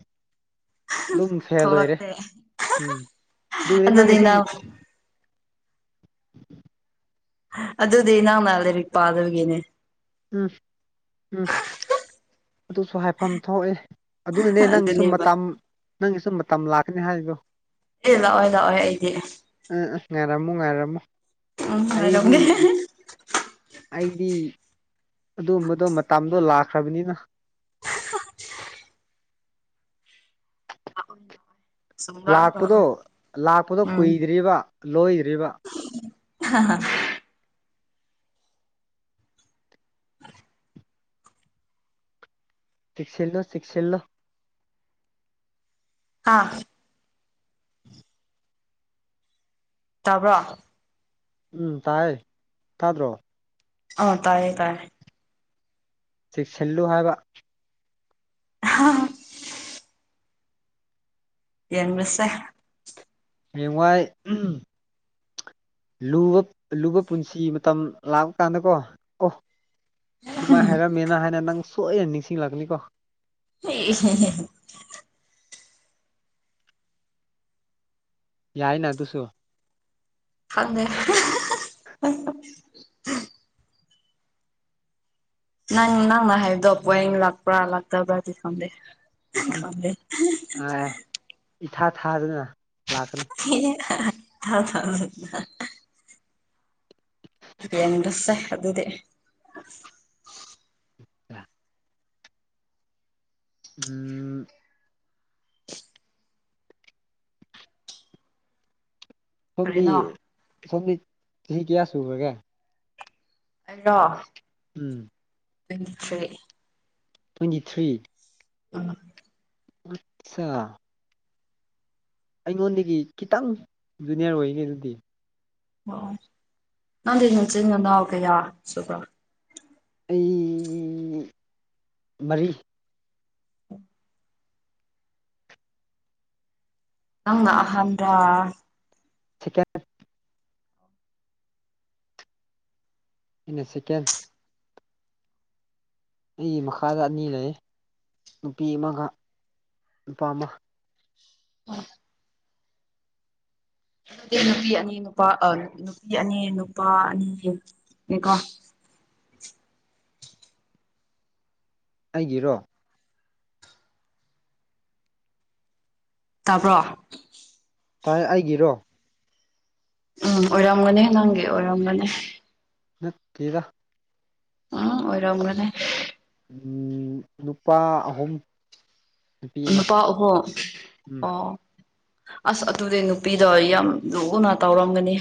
ꯑꯗꯨꯝ ꯐꯦꯜ ꯑꯣꯏꯔꯦ ꯊꯣꯛꯂꯛꯇꯦ ꯎꯝ ꯔ ꯅꯪꯒꯦ ꯑꯗꯨꯗꯤ ꯁꯨꯝ ꯅꯪ ꯑꯗꯨꯗꯤ ꯅ ꯃꯥ ꯂꯩꯔꯤꯛ ꯄꯥꯗꯕꯒꯤꯅꯦ ꯎꯝ ꯎꯝ ꯑꯗꯨꯁꯨ ꯍꯥꯏꯐꯝ ꯊꯣꯛꯑꯦ ꯑꯗꯨꯅꯅꯦ ꯅꯪꯒꯤꯁꯨꯨꯝ ꯑꯗꯨꯅꯦꯕ ꯃꯇꯝ ꯅꯪꯒꯤꯁꯨꯨꯝ ꯃꯇꯝ ꯂꯥꯛꯀꯅꯦ ꯍꯥꯏꯗꯣ ꯑꯦ ꯂꯥꯛꯑꯣꯦ ꯂꯥꯛꯑꯣꯦ ꯑꯩꯗꯤ ꯑ ꯉꯥꯏꯔꯝꯃꯨ ꯉꯥꯏꯔꯝꯃꯨ ꯎ ꯑꯩꯗꯤ ꯍꯔꯣꯦ ꯑꯩꯗꯤ ꯑꯗꯨꯝꯕꯗꯣ ꯃꯇꯝꯗꯣ ꯂꯥꯛꯈ꯭ꯔꯕꯅꯤꯅ ꯑꯣꯏ ꯅꯨꯡꯉꯥꯏ ꯂꯥꯛꯄꯗꯣ ꯂꯥꯛꯄꯗꯣ ꯎꯝ ꯀꯨꯏꯗ꯭ꯔꯤꯕ ꯂꯣꯏꯗ꯭ꯔꯤꯕ ꯑ [unintelligible] ꯁꯤꯁꯤꯂꯣ ꯁꯤꯁꯤꯜꯂꯣ ꯑꯥ [unintelligible] ꯇꯥꯕ꯭ꯔꯣ ꯎꯝ ꯇꯥꯏ ꯊꯗ꯭ꯔꯣ ꯑ ꯇꯥꯏꯌꯦ ꯇꯥꯏꯌꯦ ꯆꯦꯛꯁꯤꯜꯂꯨ ꯍꯥꯏꯕ ꯑ [unintelligible] ꯌꯦꯉꯁꯦ ꯃꯦꯡꯋꯥꯏ ꯂꯨꯕ ꯂꯨꯕ ꯄꯨꯟꯁꯤ ꯃꯇꯝ ꯂꯥꯛꯄ ꯀꯥꯟꯗꯀꯣ ꯑꯣ ꯑꯗꯨꯃꯥꯏꯅ ꯍꯥꯏꯔꯃꯦꯅ ꯍꯥꯏꯅ ꯅꯪ ꯁꯣꯏꯅ ꯅꯤꯡꯁꯤꯡꯂꯛꯅꯤꯀꯣ ꯍ [unintelligible] ꯌꯥꯏꯅ ꯑꯗꯨꯁꯨ ꯐꯗ ꯅꯪ ꯅꯪꯅ ꯍꯥꯏꯕꯗꯣ ꯄ ꯑꯩꯅ ꯂꯥꯛꯄ꯭ꯔꯥ ꯂꯥꯛꯇꯕ꯭ꯔꯥꯗꯤ ꯈꯪꯗꯦ ꯎꯝ ꯈꯃꯦ [unintelligible] ꯊꯥ ꯊꯥꯗꯅ ꯂꯥꯛꯀꯅꯤ ꯊ ꯊ [unintelligible] ꯐꯁꯦ [unintelligible] ꯑꯗꯨꯗꯤ ꯑ [inaudible] ꯎꯝ ꯁꯣꯝꯕꯤ ꯀꯔꯤꯅꯣ ꯁꯣꯝꯗꯤ ꯆꯍꯤ ꯀꯌꯥ ꯁꯕ꯭ꯔꯒꯦ ꯑꯔꯣ [unintelligible] ꯎꯝ ꯊꯁꯦ ꯇ꯭ꯋꯦꯟꯇꯤ ꯊ꯭ꯔꯤ ꯎꯝ ꯑꯆꯥ ꯑꯩꯉꯣꯟꯗꯒꯤ ꯈꯤꯇꯪ ꯖꯨꯅꯤꯌꯔ ꯑꯣꯏꯒꯦ ꯑꯗꯨꯗꯤ ꯑꯣ ꯅꯪꯗꯤ ꯅꯆꯤꯟ ꯉꯅꯥꯎ ꯀꯌꯥ ꯁꯨꯕ ꯑꯩ ꯃꯔꯤ ꯎ ꯑꯪꯍꯥꯟ꯭ꯔ ꯁꯤꯀꯦ ꯏꯟꯅ ꯁꯀꯦꯜ ꯑꯩꯒꯤ ꯃꯈꯥꯗ ꯑꯅꯤ ꯂꯩ ꯅꯨꯄꯤ ꯑꯃꯒ ꯅꯨꯄꯥ ꯑꯃ ꯎ ꯅꯨꯄꯤ ꯑꯅꯤ ꯅꯨꯄꯥ ꯅꯨꯄꯤ ꯑꯅꯤ ꯅꯨꯄꯥ ꯑꯅꯤ ꯍꯀꯣ ꯑꯩꯒꯤꯔꯣ ꯇꯥꯕ꯭ꯔꯣ ꯇꯥꯏ ꯑꯩꯒꯤꯔꯣ ꯎꯝ ꯑꯣꯏꯔꯝꯒꯅꯤ ꯅꯪꯒꯤ ꯑꯣꯏꯔꯝꯒꯅꯤ ꯅ ꯀꯒ ꯎꯝ ꯑꯣꯔꯝꯒꯅꯦ ꯎ ꯅꯨꯄꯥ ꯑꯍꯨꯝ ꯅꯨꯄꯤ ꯑꯃ ꯅꯨꯄꯥ ꯑꯍꯣꯡ ꯎꯝ ꯑꯣ ꯑꯁ ꯑꯗꯨꯗꯤ ꯅꯨꯄꯤꯗ ꯌꯥꯝ ꯂꯨꯅ ꯇꯧꯔꯝꯒꯅꯤ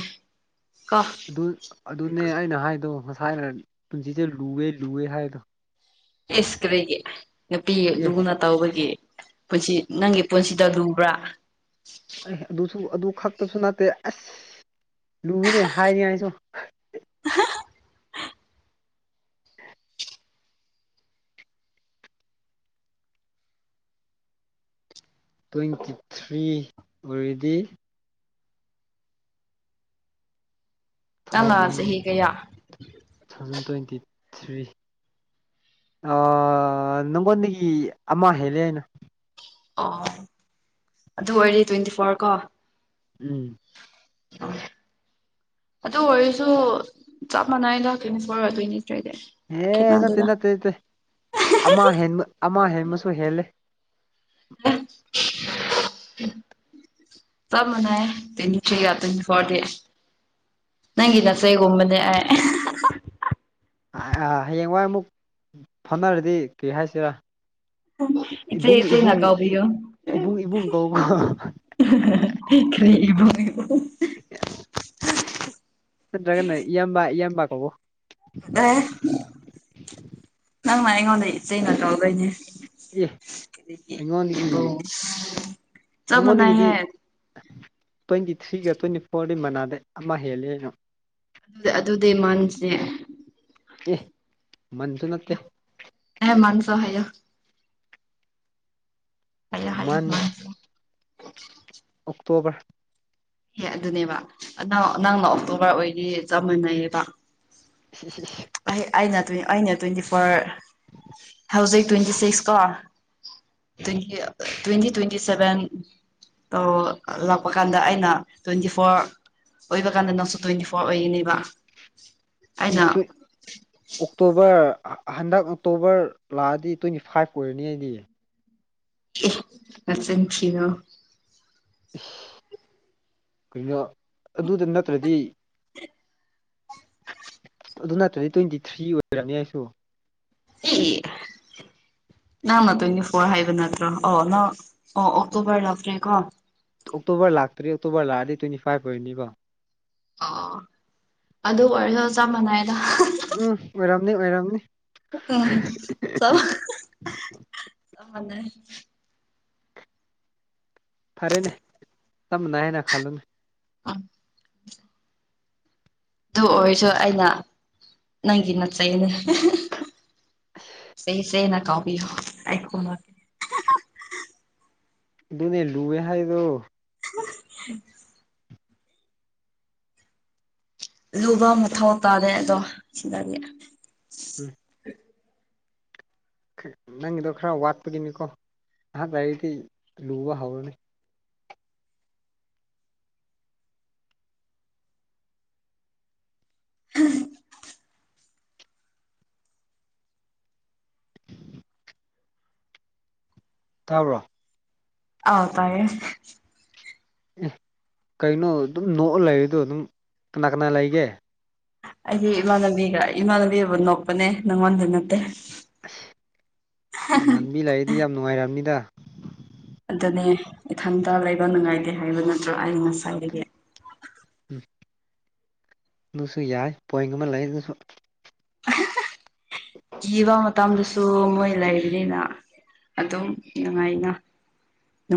ꯀꯣ ꯑꯗꯨ ꯑꯗꯨꯅꯦ ꯑꯩꯅ ꯍꯥꯏꯗꯣ ꯉꯁꯥꯏꯅ ꯄꯨꯟꯁꯤꯁꯦ ꯂꯨꯑꯦ ꯂꯨꯋꯦ ꯍꯥꯏꯗꯣ ꯏꯁ ꯀꯔꯤꯒꯤ ꯅꯨꯄꯤ ꯑꯦ ꯂꯨꯅ ꯇꯧꯕꯒꯤ ꯄꯨꯟꯁꯤ ꯅꯪꯒꯤ ꯄꯨꯟꯁꯤꯗ ꯂꯨꯕ꯭ꯔꯥ ꯑꯦ ꯑꯗꯨꯁꯨ ꯑꯗꯨ ꯈꯛꯇꯁꯨ ꯅꯠꯇꯦ ꯑꯁ ꯂꯨꯏꯅꯦ ꯍꯥꯏꯅꯤ ꯍꯥꯏꯁꯨ ꯍꯥ ꯇ꯭ꯋꯦꯟꯇꯤ ꯊ꯭ꯔꯤ ꯑꯣꯏꯔꯗꯤ ꯅꯪꯅ ꯊꯥꯎꯖꯟ ꯇꯨ ꯆꯍꯤ ꯀꯌꯥ ꯊꯥꯎꯖꯟ ꯇ꯭ꯋꯦꯟꯇꯤ ꯊ꯭ꯔꯤ ꯑ ꯅꯪꯉꯣꯟꯗꯒꯤ ꯑꯃ ꯍꯦꯜꯂꯦ ꯍꯥꯏꯅ ꯑꯣ ꯑꯗꯨ ꯑꯣꯏꯦ ꯇ꯭ꯋꯦꯟꯇꯤ ꯐꯣꯔ ꯀꯣ ꯎꯝ ꯑꯗꯨ ꯑꯣꯏꯔꯁꯨ ꯆꯞ ꯃꯥꯟꯅꯩꯗ ꯀꯩꯝ ꯑꯣꯏꯔꯛꯗꯣꯏꯅꯤ ꯑꯦꯦ ꯅꯠꯇꯦ ꯅꯠꯇꯦ ꯅꯠꯇꯦ ꯑꯃ ꯍꯦꯟꯕ ꯑꯃ ꯍꯦꯟꯕꯁꯨ ꯍꯦꯜꯂꯦ ꯑ ꯇ ꯃꯅ ꯇꯅꯤꯁꯤ ꯌꯥ ꯑꯗꯨ ꯐꯗꯤ ꯅꯪꯒꯤꯤ ꯅꯁꯦ ꯀꯨꯝꯕꯅꯦ ꯍꯌꯦꯡꯋꯥꯏ ꯑꯃꯨꯛ ꯐꯝꯅꯔꯗꯤ ꯀꯤꯏ ꯍꯥꯏꯁꯤꯔꯥ ꯏꯆꯦ ꯏꯕꯨꯡ ꯏꯆꯦꯅ ꯏꯕꯨꯡ ꯀꯧꯕꯤꯌꯨ ꯏꯕꯨꯡ ꯏꯕꯨꯡ ꯀꯒ ꯀ꯭ꯔꯦ ꯐꯉ ꯆꯠꯇ꯭ꯔꯥꯒ ꯏꯌꯥꯝꯕ ꯏꯌꯥꯝꯕ ꯀꯧꯀꯣ ꯅꯪꯅ ꯑꯩꯉꯣꯟꯗ ꯏꯆ ꯅꯠꯇ꯭ꯔꯗꯩꯅꯦ ꯑꯦ ꯑꯩꯉꯣꯟꯗꯒꯤ ꯆꯞ ꯃꯥꯟꯅꯩꯌꯦ ꯅꯅꯨꯡꯅꯤꯒꯗꯤꯗꯤ ꯇ꯭ꯋꯦꯟꯇꯤ ꯊ꯭ꯔꯤꯒ ꯇ꯭ꯋꯦꯟꯇꯤ ꯐꯣꯔꯗ ꯃꯅꯥꯗ ꯑꯃ ꯍꯦꯜꯂꯤꯦ ꯑꯩꯅ ꯑꯗꯨ ꯑꯗꯨꯗꯤ ꯃꯥꯅꯁꯦ ꯑꯦ ꯃꯟꯗꯨ ꯅꯠꯇꯦ ꯍꯦ ꯃꯅꯁ ꯍꯥꯏ ꯑꯃ ꯃꯟ ꯇꯣꯕꯔ ꯑꯦꯦ ꯑꯗꯨꯅꯦꯕ ꯅꯪꯅ ꯑꯣꯛꯇꯣꯕꯔ ꯑꯣꯏꯗꯤ ꯆꯞ ꯃꯅꯩꯌꯦꯕ ꯑꯩ ꯑꯩꯅ ꯇ꯭ ꯑꯩꯅ ꯇ꯭ꯋꯦꯟꯇꯤ ꯐꯣꯔ [unintelligible] ꯍꯧꯖꯤꯛ ꯇ꯭ꯋꯦꯟꯇꯤ ꯁꯤꯛꯁ ꯀꯣ ꯇ꯭ꯋꯦꯟꯇꯤ ꯇ꯭ꯋꯦꯟꯇꯤ ꯇ꯭ꯋꯦꯟꯇꯤ ꯁꯚꯦꯟ ꯇ ꯂꯥꯛꯄ ꯀꯥꯟꯗ ꯑꯩꯅ ꯇ꯭ꯋꯦꯟꯇꯤ ꯐꯣꯔ ꯑꯣꯏꯕ ꯀꯥꯟꯗ ꯅꯪꯁꯨ ꯇ꯭ꯋꯦꯟꯇꯤ ꯐꯣꯔ ꯑꯣꯏꯔꯤꯅꯦꯕ ꯅꯇ ꯑꯣꯀꯛꯇꯣꯕꯔ ꯔ ꯍꯟꯗꯛ ꯑꯣꯛꯇꯣꯕꯔ ꯂꯥꯛꯑꯗꯤ ꯇ꯭ꯋꯦꯟꯇꯤ ꯐꯥꯏꯚ ꯑꯣꯏꯔꯅꯤ ꯑꯩꯗꯤ ꯉꯁꯁꯤꯔꯣ ꯏꯁ ꯀꯅꯣ ꯑꯗꯨꯗ ꯅꯠꯇ꯭ꯔꯗꯤ ꯑꯗꯨ ꯅꯠꯇ꯭ꯔꯗꯤ ꯇ꯭ꯋꯦꯟꯇꯤ ꯊ꯭ꯔꯤ ꯑꯣꯏꯔꯅꯤ ꯑꯩꯁꯨ ꯑꯦ ꯅꯪ ꯅ ꯇ꯭ꯋꯦꯟꯇꯤ ꯐꯣꯔ ꯍꯥꯏꯕ ꯅꯠꯇ꯭ꯔꯣ ꯑꯣ ꯅꯪ ꯑꯣ ꯑꯣꯛꯇꯣꯕꯔ ꯂꯇ꯭ꯔꯦꯀꯣ ꯑꯣꯛꯇꯣꯕꯔ ꯂꯥꯛꯇ꯭ꯔꯤ ꯑꯣꯛꯇꯣꯕꯔ ꯂꯥꯛꯑꯗꯤ ꯇ꯭ꯋꯦꯟꯇꯤ ꯐꯥꯏꯚ ꯑꯣꯏꯅꯤꯕ ꯑꯣ ꯑꯗꯨ ꯑꯣꯏꯔꯁꯨ ꯆꯞ ꯃꯥꯟꯅꯏꯗ ꯎꯝ ꯑꯣꯏꯔꯝꯅꯤ ꯑꯣꯏꯔꯝꯅꯤ ꯎꯝꯅ ꯈꯔꯦꯅꯦ ꯇꯝꯅꯅ ꯈꯂꯨ ꯎꯝ ꯑꯗꯨ ꯑꯣꯏꯔꯁꯨ ꯑꯩꯅ ꯅꯪꯒꯤ ꯅꯠꯆꯩꯅꯦ ꯁ ꯁꯦꯅ ꯀꯥꯎꯕꯤ ꯑꯗꯨꯅꯦ ꯂꯨꯑꯦ ꯍꯥꯏꯗꯣ [unintelligible] ꯂꯨꯕ ꯑꯃꯊꯧ ꯇꯥꯔꯦ ꯑꯗꯣ ꯁꯤꯗꯗꯤ ꯎꯝ ꯅꯪꯒꯤꯗꯣ ꯈꯔ ꯋꯥꯠꯄꯒꯤꯅꯤꯀꯣ ꯑꯍꯥꯛ ꯂꯩꯔꯤꯗꯤ ꯂꯨꯕ ꯍꯧꯔꯅꯤ ꯇꯥꯕ꯭ꯔꯣ ꯍꯥꯎ ꯇꯥꯏꯌꯦꯦ ꯑꯦ ꯀꯩꯅꯣ ꯑꯗꯨꯝ ꯅꯣꯛꯑ ꯂꯩꯔꯤꯗꯣ ꯑꯗꯨꯝ ꯀꯅꯥ ꯀꯅꯥ ꯂꯩꯒꯦ ꯑꯩꯗꯤ ꯏꯃꯥꯟꯅꯕꯤꯒ ꯏꯃꯥꯟꯅꯕꯤꯕꯨ ꯅꯣꯛꯄꯅꯦ ꯅꯪꯉꯣꯟꯗ ꯅꯠꯇꯦ ꯑꯁ ꯃꯥꯟꯕꯤ ꯂꯩꯔꯤꯗꯤ ꯌꯥꯝ ꯅꯨꯡꯉꯥꯏꯔꯑꯝꯅꯤꯗ ꯑꯗꯨꯅꯦ ꯏꯊꯟꯇ ꯂꯩꯕ ꯅꯨꯡꯉꯥꯏꯇꯦ ꯍꯥꯏꯕ ꯅꯠꯇ꯭ꯔꯣ ꯑꯩꯅ ꯉꯁꯥꯏꯗꯒꯤ ꯎꯝ ꯑꯗꯨꯁꯨ ꯌꯥꯏ ꯄꯣꯏꯟ ꯑꯃ ꯂꯩ ꯑꯗꯨꯁꯨ ꯀꯤꯕ ꯃꯇꯝꯗꯁꯨ ꯃꯣꯏ ꯂꯩꯔꯤꯅꯤꯅ ꯑꯗꯨꯝ ꯅꯨꯡꯉꯥꯏꯅ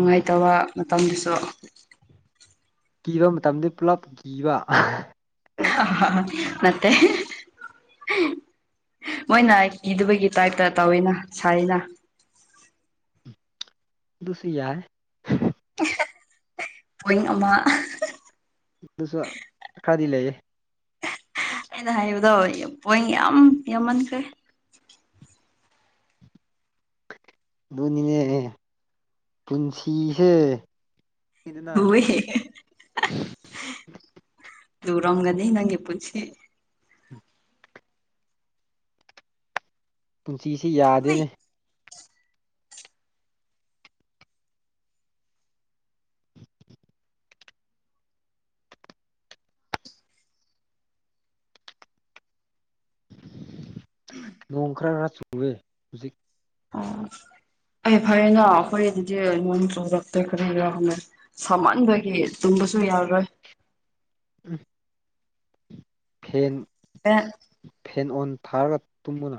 ꯎꯝ ꯃꯇꯝꯗꯨꯁꯨ ꯀꯤꯕ ꯃꯇꯝꯗ ꯄꯨꯂꯞ ꯀꯤꯕ ꯑ ꯃꯦ ꯃꯣꯏꯅ ꯀꯤꯗꯕꯒꯤ ꯇꯥꯏꯞꯇ ꯇꯧꯋꯤꯅ ꯁꯔꯤꯅ ꯁꯔꯤ ꯌꯥꯏ ꯄ ꯑꯃ ꯁꯨ ꯈꯥꯗꯤ ꯂꯩ ꯑꯩꯅ ꯍꯥꯏꯕꯗꯣ ꯄꯣꯏ ꯌꯥꯝ ꯌꯥꯝꯃꯟꯈ꯭ꯔꯦ ꯅꯤ ꯄꯨꯟꯁꯤꯁꯦ ꯈꯪꯗꯦꯗꯅ ꯍꯣꯏ ꯑꯗꯨꯔꯝꯒꯅꯤ ꯅꯪꯒꯤ ꯄꯨꯟꯁꯤ ꯁꯤꯁꯤ ꯍꯨꯏ ꯌꯥꯗꯦꯅꯦ ꯅꯣꯡ ꯈꯔ ꯈꯔ ꯆꯨꯋꯦ ꯍꯧꯖꯤꯛ ꯑ ꯑꯩ ꯐꯔꯌꯦꯅ ꯑꯩꯈꯣꯏ ꯑꯗꯨꯗꯤ ꯅꯣꯡ ꯆꯗꯛꯇ ꯀꯔꯤ ꯌꯥꯅ ꯁꯥꯃꯟꯕꯒꯤ ꯑꯗꯨꯝ ꯁꯨ ꯌꯥꯔꯣꯏ ꯎꯝ ꯍꯦꯟ ꯑ ꯑꯦꯦꯟ ꯑꯣꯟ ꯊꯥꯔꯒ ꯇꯨꯝꯕꯅꯨ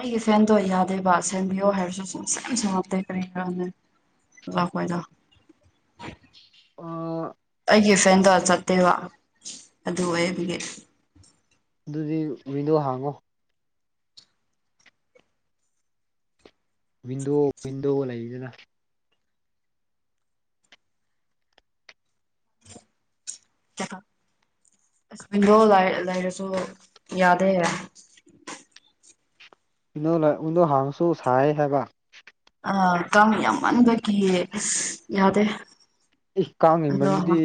ꯑꯩꯒꯤ ꯐꯦꯟꯗꯣ ꯌꯥꯗꯦꯕ ꯁꯦꯝꯕꯤꯌꯣ ꯍꯥꯏꯔꯁꯨ ꯁꯨꯡ ꯁ ꯁꯉꯞꯇꯦ ꯀꯔꯤ ꯀꯔꯥꯅꯦ ꯂ ꯐꯣꯏꯗ ꯑꯥ ꯑꯩꯒꯤ ꯐꯦꯟꯗ ꯆꯠꯇꯦ ꯋꯥ ꯑꯗꯨ ꯑꯣꯏꯗꯒꯤ ꯑꯗꯨꯗꯤ ꯋꯤꯟꯗꯣ ꯍꯥꯡꯉꯣ ꯋꯤꯟꯗꯣ ꯋꯤꯟꯗꯣ ꯂꯩꯗꯅ ꯀ ꯑꯁꯗꯣ ꯂꯥꯏ ꯂꯥꯏꯔꯁꯨ ꯌꯥꯗ ꯍꯥꯏ ꯏꯗ ꯍꯪꯁꯨ ꯁꯥꯏ ꯍꯥꯏꯦꯕ ꯑ ꯀ ꯌꯥꯝꯃꯟꯕꯒꯤꯌꯦ ꯌꯥꯗꯦ ꯏ ꯀꯥꯡꯉꯩ ꯑꯗꯣ ꯃꯔꯝꯕꯨꯗꯤ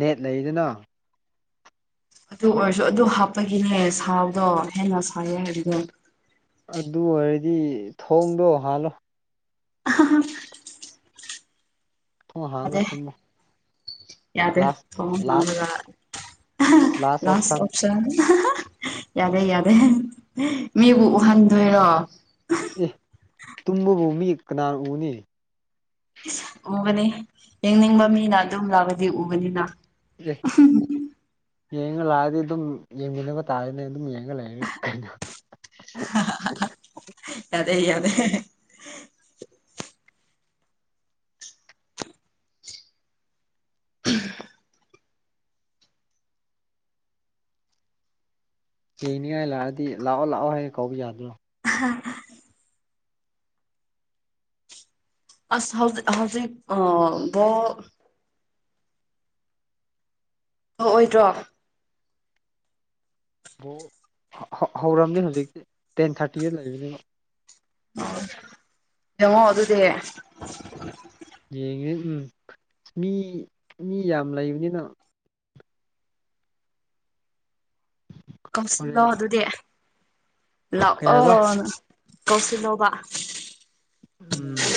ꯅꯦꯠ ꯂꯩꯗꯅ ꯑꯗꯨ ꯑꯣꯏꯔꯁꯨ ꯑꯗꯨ ꯍꯥꯞꯄꯒꯤꯅꯦ ꯁꯥꯕꯗꯣ ꯍꯦꯟꯅ ꯁꯥꯏꯌꯦ ꯍꯥꯏꯕꯅꯦ ꯑꯗꯨ ꯑꯣꯏꯔꯗꯤ ꯊꯣꯡꯗꯣ ꯍꯥꯜꯂꯣ ꯑ ꯊꯣꯡ ꯌꯥꯗꯦ ꯍꯥꯡꯉꯒ ꯇꯨꯝꯃꯣ ꯌꯥꯗꯦ ꯂꯥꯁ ꯂꯥꯁ ꯊꯣꯡꯉꯒ ꯂꯥꯁ ꯑꯣꯞꯁꯟ ꯌꯥꯗꯦ ꯌꯥꯗꯦ ꯃꯤꯕꯨ ꯎꯍꯟꯗꯣꯏꯔꯣ ꯑꯦ ꯇꯨꯝꯃꯕꯨ ꯃꯤ ꯀꯅꯥꯅ ꯎꯅꯤ ꯎꯒꯅꯤ ꯌꯦꯡꯅꯤꯡꯕ ꯃꯤꯅ ꯑꯗꯨꯝ ꯂꯥꯛꯑꯗꯤ ꯎꯒꯅꯤꯅ ꯌꯦꯦ ꯌꯦꯡꯉ ꯂꯥꯛꯑꯗꯤ ꯑꯗꯨꯝ ꯌꯦꯡꯃꯤꯟꯅꯕ ꯇꯥꯔꯅꯦ ꯑꯗꯨꯝ ꯌꯦꯡꯉ ꯂꯩꯔꯒꯦ ꯀꯩꯅꯣ ꯌꯥꯗꯦ ꯌꯥꯗꯦ ꯍꯡꯅꯤꯡꯉꯥꯏ ꯂꯥꯛꯑꯗꯤ ꯂꯥꯛꯑꯣ ꯂꯥꯛꯑꯣ ꯍꯌꯦꯡ ꯀꯧꯕ ꯌꯥꯗ꯭ꯔꯣ ꯑꯁ ꯍꯧꯖꯤꯛ ꯍꯧꯖꯤꯛ ꯑ ꯣ ꯍ ꯑꯣꯏꯗ꯭ꯔꯣ ꯑꯣ ꯍꯧꯔꯝꯅꯤ ꯍꯧꯖꯤꯛꯇꯤ ꯇꯦꯟ ꯊꯥꯔꯇꯤꯗ ꯂꯩꯕꯅꯦꯅ ꯑꯣ ꯌꯦꯡꯉꯣ ꯑꯗꯨꯗꯤ ꯌꯦꯡꯉꯦ ꯎꯝ ꯑ ꯃꯤ ꯃꯤ ꯌꯥꯝ ꯂꯩꯕꯅꯤꯅ ꯀꯧꯁꯤꯜꯂꯣ ꯍꯣꯔꯦꯟ ꯑꯗꯨꯗꯤ ꯀꯩ ꯍꯥꯏꯕ ꯂꯥꯛꯑꯣ ꯑ ꯀꯧꯁꯤꯜꯂꯣꯧꯕ ꯎꯝ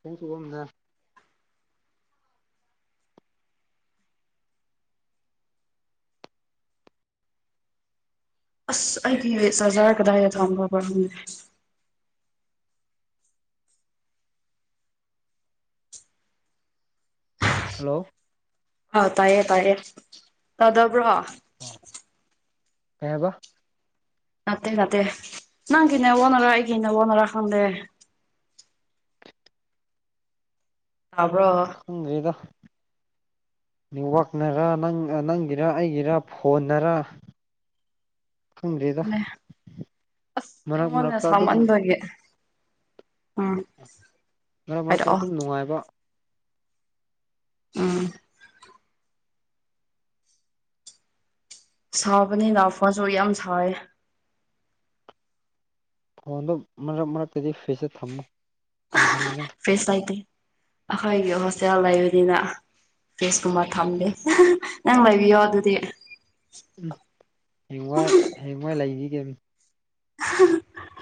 ꯊꯝꯗ ꯑꯁ ꯑꯩꯒꯤ ꯆꯖꯥꯔ ꯀꯗꯥꯏꯗ ꯊ ꯕꯪꯦ ꯍꯜꯂꯣ ꯍꯥꯎ ꯇꯥꯏꯌꯦ ꯇꯌꯦꯌꯦ ꯑꯗꯕ꯭ꯔꯣ ꯀꯕ ꯅꯠꯇꯦ ꯅꯠꯇꯦ ꯅꯪꯒꯅꯦ ꯑꯣꯅꯔ ꯑꯩꯒꯤꯟꯅ ꯍꯅꯔ ꯀꯗꯦ ꯇꯥꯕ꯭ꯔꯣ ꯈꯪꯒꯩꯗ [unintelligible] ꯅꯋꯥꯛꯅꯔ ꯅ ꯅꯪꯒꯤꯔ ꯑꯩꯒꯤꯔ ꯐꯣꯟꯅꯔ ꯈꯪꯗ꯭ꯔꯦꯗ ꯑꯁ ꯃꯔꯛ ꯑꯩꯉꯣꯟꯗ ꯃꯔꯛꯇ ꯑꯗꯨꯝ ꯁꯥꯃꯟꯕꯒꯤ ꯑ ꯃꯔꯔ ꯃꯔꯛꯇ ꯑꯗꯨꯝ ꯅꯨꯡꯉꯥꯏꯕ ꯎꯝ ꯁꯥꯎꯕꯅꯤꯅ ꯐꯣꯟꯁꯨ ꯌꯥꯝ ꯁꯥꯎꯋꯦ ꯐꯣꯟꯗꯨꯣ ꯃꯔꯛ ꯃꯔꯛꯇꯗꯤ ꯐꯤꯆꯔ ꯊꯝꯃꯨ ꯏꯪꯍꯟꯅꯤꯡꯉꯥꯏ ꯐꯦꯁ ꯂꯩꯇꯦ ꯑꯩꯈꯣꯏꯒꯤ ꯍꯣꯁꯇꯦꯜ ꯂꯩꯕꯅꯤꯅ ꯀꯦꯁꯀꯨꯃꯥꯔ ꯊꯝꯂꯦ ꯅꯪ ꯂꯩꯕꯤꯌꯣ ꯑꯗꯨꯗꯤ ꯎꯝ ꯍꯦꯡꯋꯥꯏ ꯍꯌꯦꯡꯋꯥꯏ ꯂꯩꯈꯤꯒꯦ [unintelligible]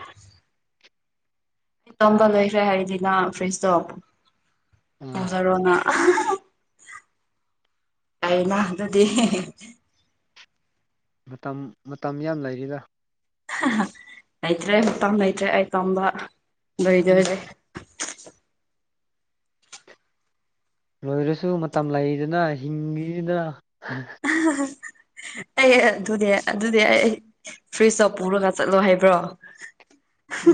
ꯑꯩ ꯇꯝꯕ ꯂꯩꯣꯏꯈ꯭ꯔꯦ ꯍꯥꯏꯔꯤꯗꯤꯅ ꯐ꯭ꯔꯤꯖꯇꯣ ꯑꯥ ꯇꯧꯖꯔꯣꯅ ꯑꯩꯅ ꯑꯗꯨꯗꯤ ꯃꯇꯝ ꯃꯇꯝ ꯌꯥꯝ ꯂꯩꯔꯤꯗ ꯅꯣꯏꯇ꯭ꯔꯦ ꯍꯠꯇꯝꯕ ꯅꯣꯏꯇꯦ ꯑ ꯇꯝꯕ ꯎꯝ ꯣꯏꯗꯣꯏꯦ [inaudible] ꯂꯣꯏꯔꯁꯨ ꯃꯇꯝ ꯂꯩꯗꯅ ꯍꯤꯡꯉꯤꯁꯤꯅ ꯑꯩ ꯑꯗꯨꯗꯤ ꯑꯗꯨꯗꯤ ꯑꯩ ꯐ꯭ꯔꯤꯖꯇ ꯄꯨꯔꯒ ꯆꯠꯂꯣ ꯍꯥꯏꯕ꯭ꯔꯣ ꯎꯝ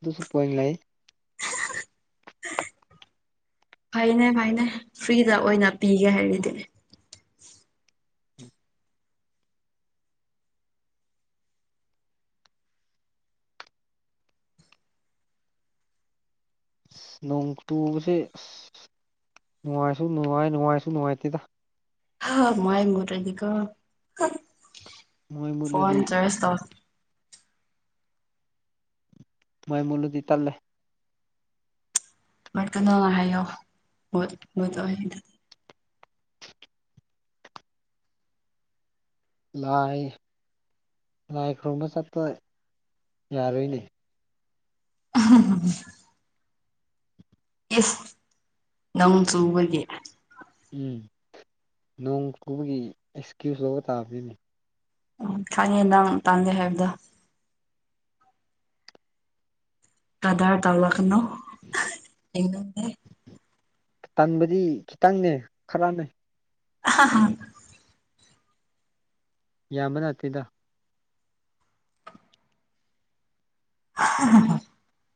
ꯑꯗꯨꯁꯨ ꯄꯅꯤꯡ ꯂꯩ ꯐꯩꯅꯦ ꯐꯩꯅꯦ ꯐ꯭ꯔꯤꯗ ꯑꯣꯏꯅ ꯄꯤꯒꯦ ꯍꯥꯏꯔꯗꯤ ꯅꯣꯡ ꯇꯨꯁꯦ ꯅꯨꯡꯉꯥꯏꯁꯨ ꯅꯨꯡꯉꯥꯏ ꯅꯨꯡꯉꯥꯏꯁꯨ ꯅꯨꯡꯉꯥꯏꯇꯦꯗ ꯍ ꯃꯥꯏ ꯃꯔꯦꯗꯤꯀ ꯃꯩ ꯐꯣꯟꯣꯟ ꯃꯨꯠꯂꯗꯤ ꯆꯁ ꯇ ꯃꯥꯏ ꯃꯂꯗꯤ ꯇꯔꯂꯦ ꯃꯔꯀꯅꯣꯅ ꯍꯥꯏꯌꯣꯠ ꯑꯣꯏ ꯂꯥꯏ ꯂꯥꯏ ꯈꯨꯔꯨꯝꯕ ꯆꯠꯄ ꯌꯥꯔꯣꯏꯅꯦ ꯎꯝ ꯏꯁꯁ ꯅꯪ ꯆꯨꯕꯒꯦ ꯎꯝ ꯅꯣꯡ ꯆꯨꯕꯒꯤ ꯑꯦꯛꯁꯀ꯭ꯌꯨꯁ ꯂꯒ ꯇꯥ ꯄꯅꯤ ꯎ ꯈꯥꯏꯉꯦ ꯅꯪ ꯇꯥꯟꯒꯦ ꯍꯥꯏꯕꯗ ꯀꯗꯥꯔ ꯇꯅꯣ ꯇꯟꯕꯗꯤ ꯈꯤꯇꯪꯅꯦ ꯈꯔꯅꯦ ꯑ ꯌꯥꯕ ꯅꯥꯇꯩꯦꯗ [unintelligible]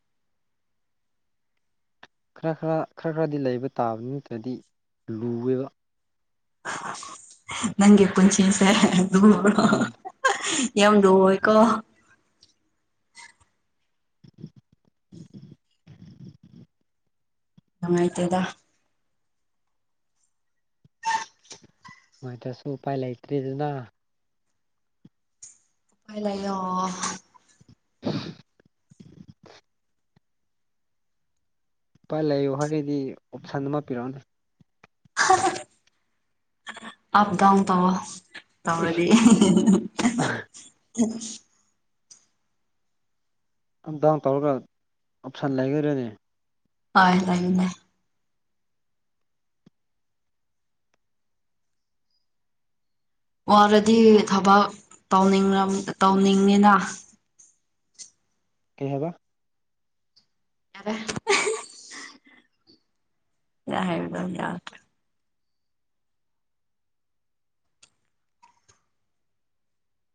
ꯈꯔ ꯈꯔ ꯈꯔ ꯈꯔꯗꯤ ꯂꯩꯕ ꯇꯥꯕ ꯅꯠꯇ꯭ꯔꯗꯤ ꯂꯨꯋꯦꯕ ꯅꯪ ꯈꯨꯆꯦ ꯁꯔꯣ ꯎꯝ ꯌꯥꯝ ꯂꯣ ꯑꯣꯏ ꯀꯣ ꯉꯉꯥꯏꯇꯦꯗ ꯃꯁꯨ ꯎ ꯄꯥꯏ ꯂꯩ ꯑꯩꯇꯔꯤ ꯑꯗꯨꯅꯥ ꯎꯄꯥꯏ ꯂꯩꯣ ꯏꯄꯥꯥꯏ ꯂꯩꯌꯨ ꯍꯥꯏꯔꯒꯩꯗꯤ ꯑꯣꯞꯁꯟ ꯑꯃ ꯄꯤꯔꯛꯑꯣꯅꯦ ꯑꯞꯗꯥꯎꯟ ꯇ ꯋꯥ ꯇꯥꯗꯤꯦ ꯑꯞ ꯗꯥꯎꯟ ꯇꯧꯔꯒ ꯑꯣꯞꯁꯟ ꯂꯩꯈꯔꯅꯤ ꯑ ꯂꯩ ꯂꯩ ꯋꯥꯔꯗꯤ ꯊꯕꯛ ꯇꯅꯤꯡ ꯇꯧꯅꯤꯡꯉꯤꯅ ꯀꯩꯍꯕ ꯌꯥꯔꯦ ꯌꯥꯍꯦꯒ ꯌꯥ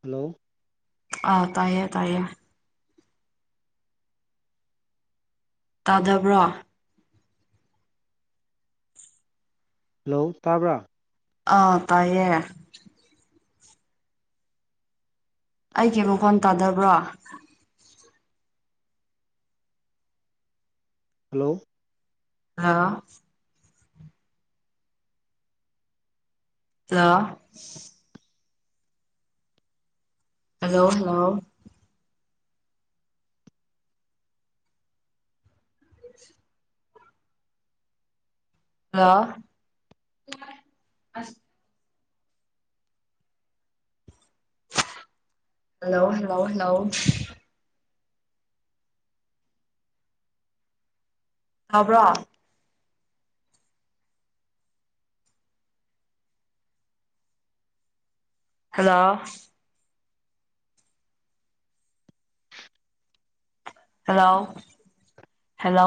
ꯍꯜꯂꯣ ꯑꯥ ꯇꯥꯏꯌꯦꯦ ꯇꯥꯏꯌꯦꯦ ꯇꯥꯗꯕ꯭ꯔꯣ ꯍꯜꯂꯣ ꯇꯥꯕ꯭ꯔꯥ ꯑꯥ ꯇꯥꯏꯌꯦ ꯑꯩꯒꯤꯦꯕꯨꯣ ꯐꯣꯟ ꯇꯥꯗꯕ꯭ꯔꯣ ꯍꯜꯂꯣ ꯑ ꯑ hello hello [unintelligible] hello hello hello hello ꯈꯕ꯭ꯔꯣ ꯍꯜꯂꯣ ꯍꯦꯜꯂꯣ ꯍꯦꯜꯂꯣ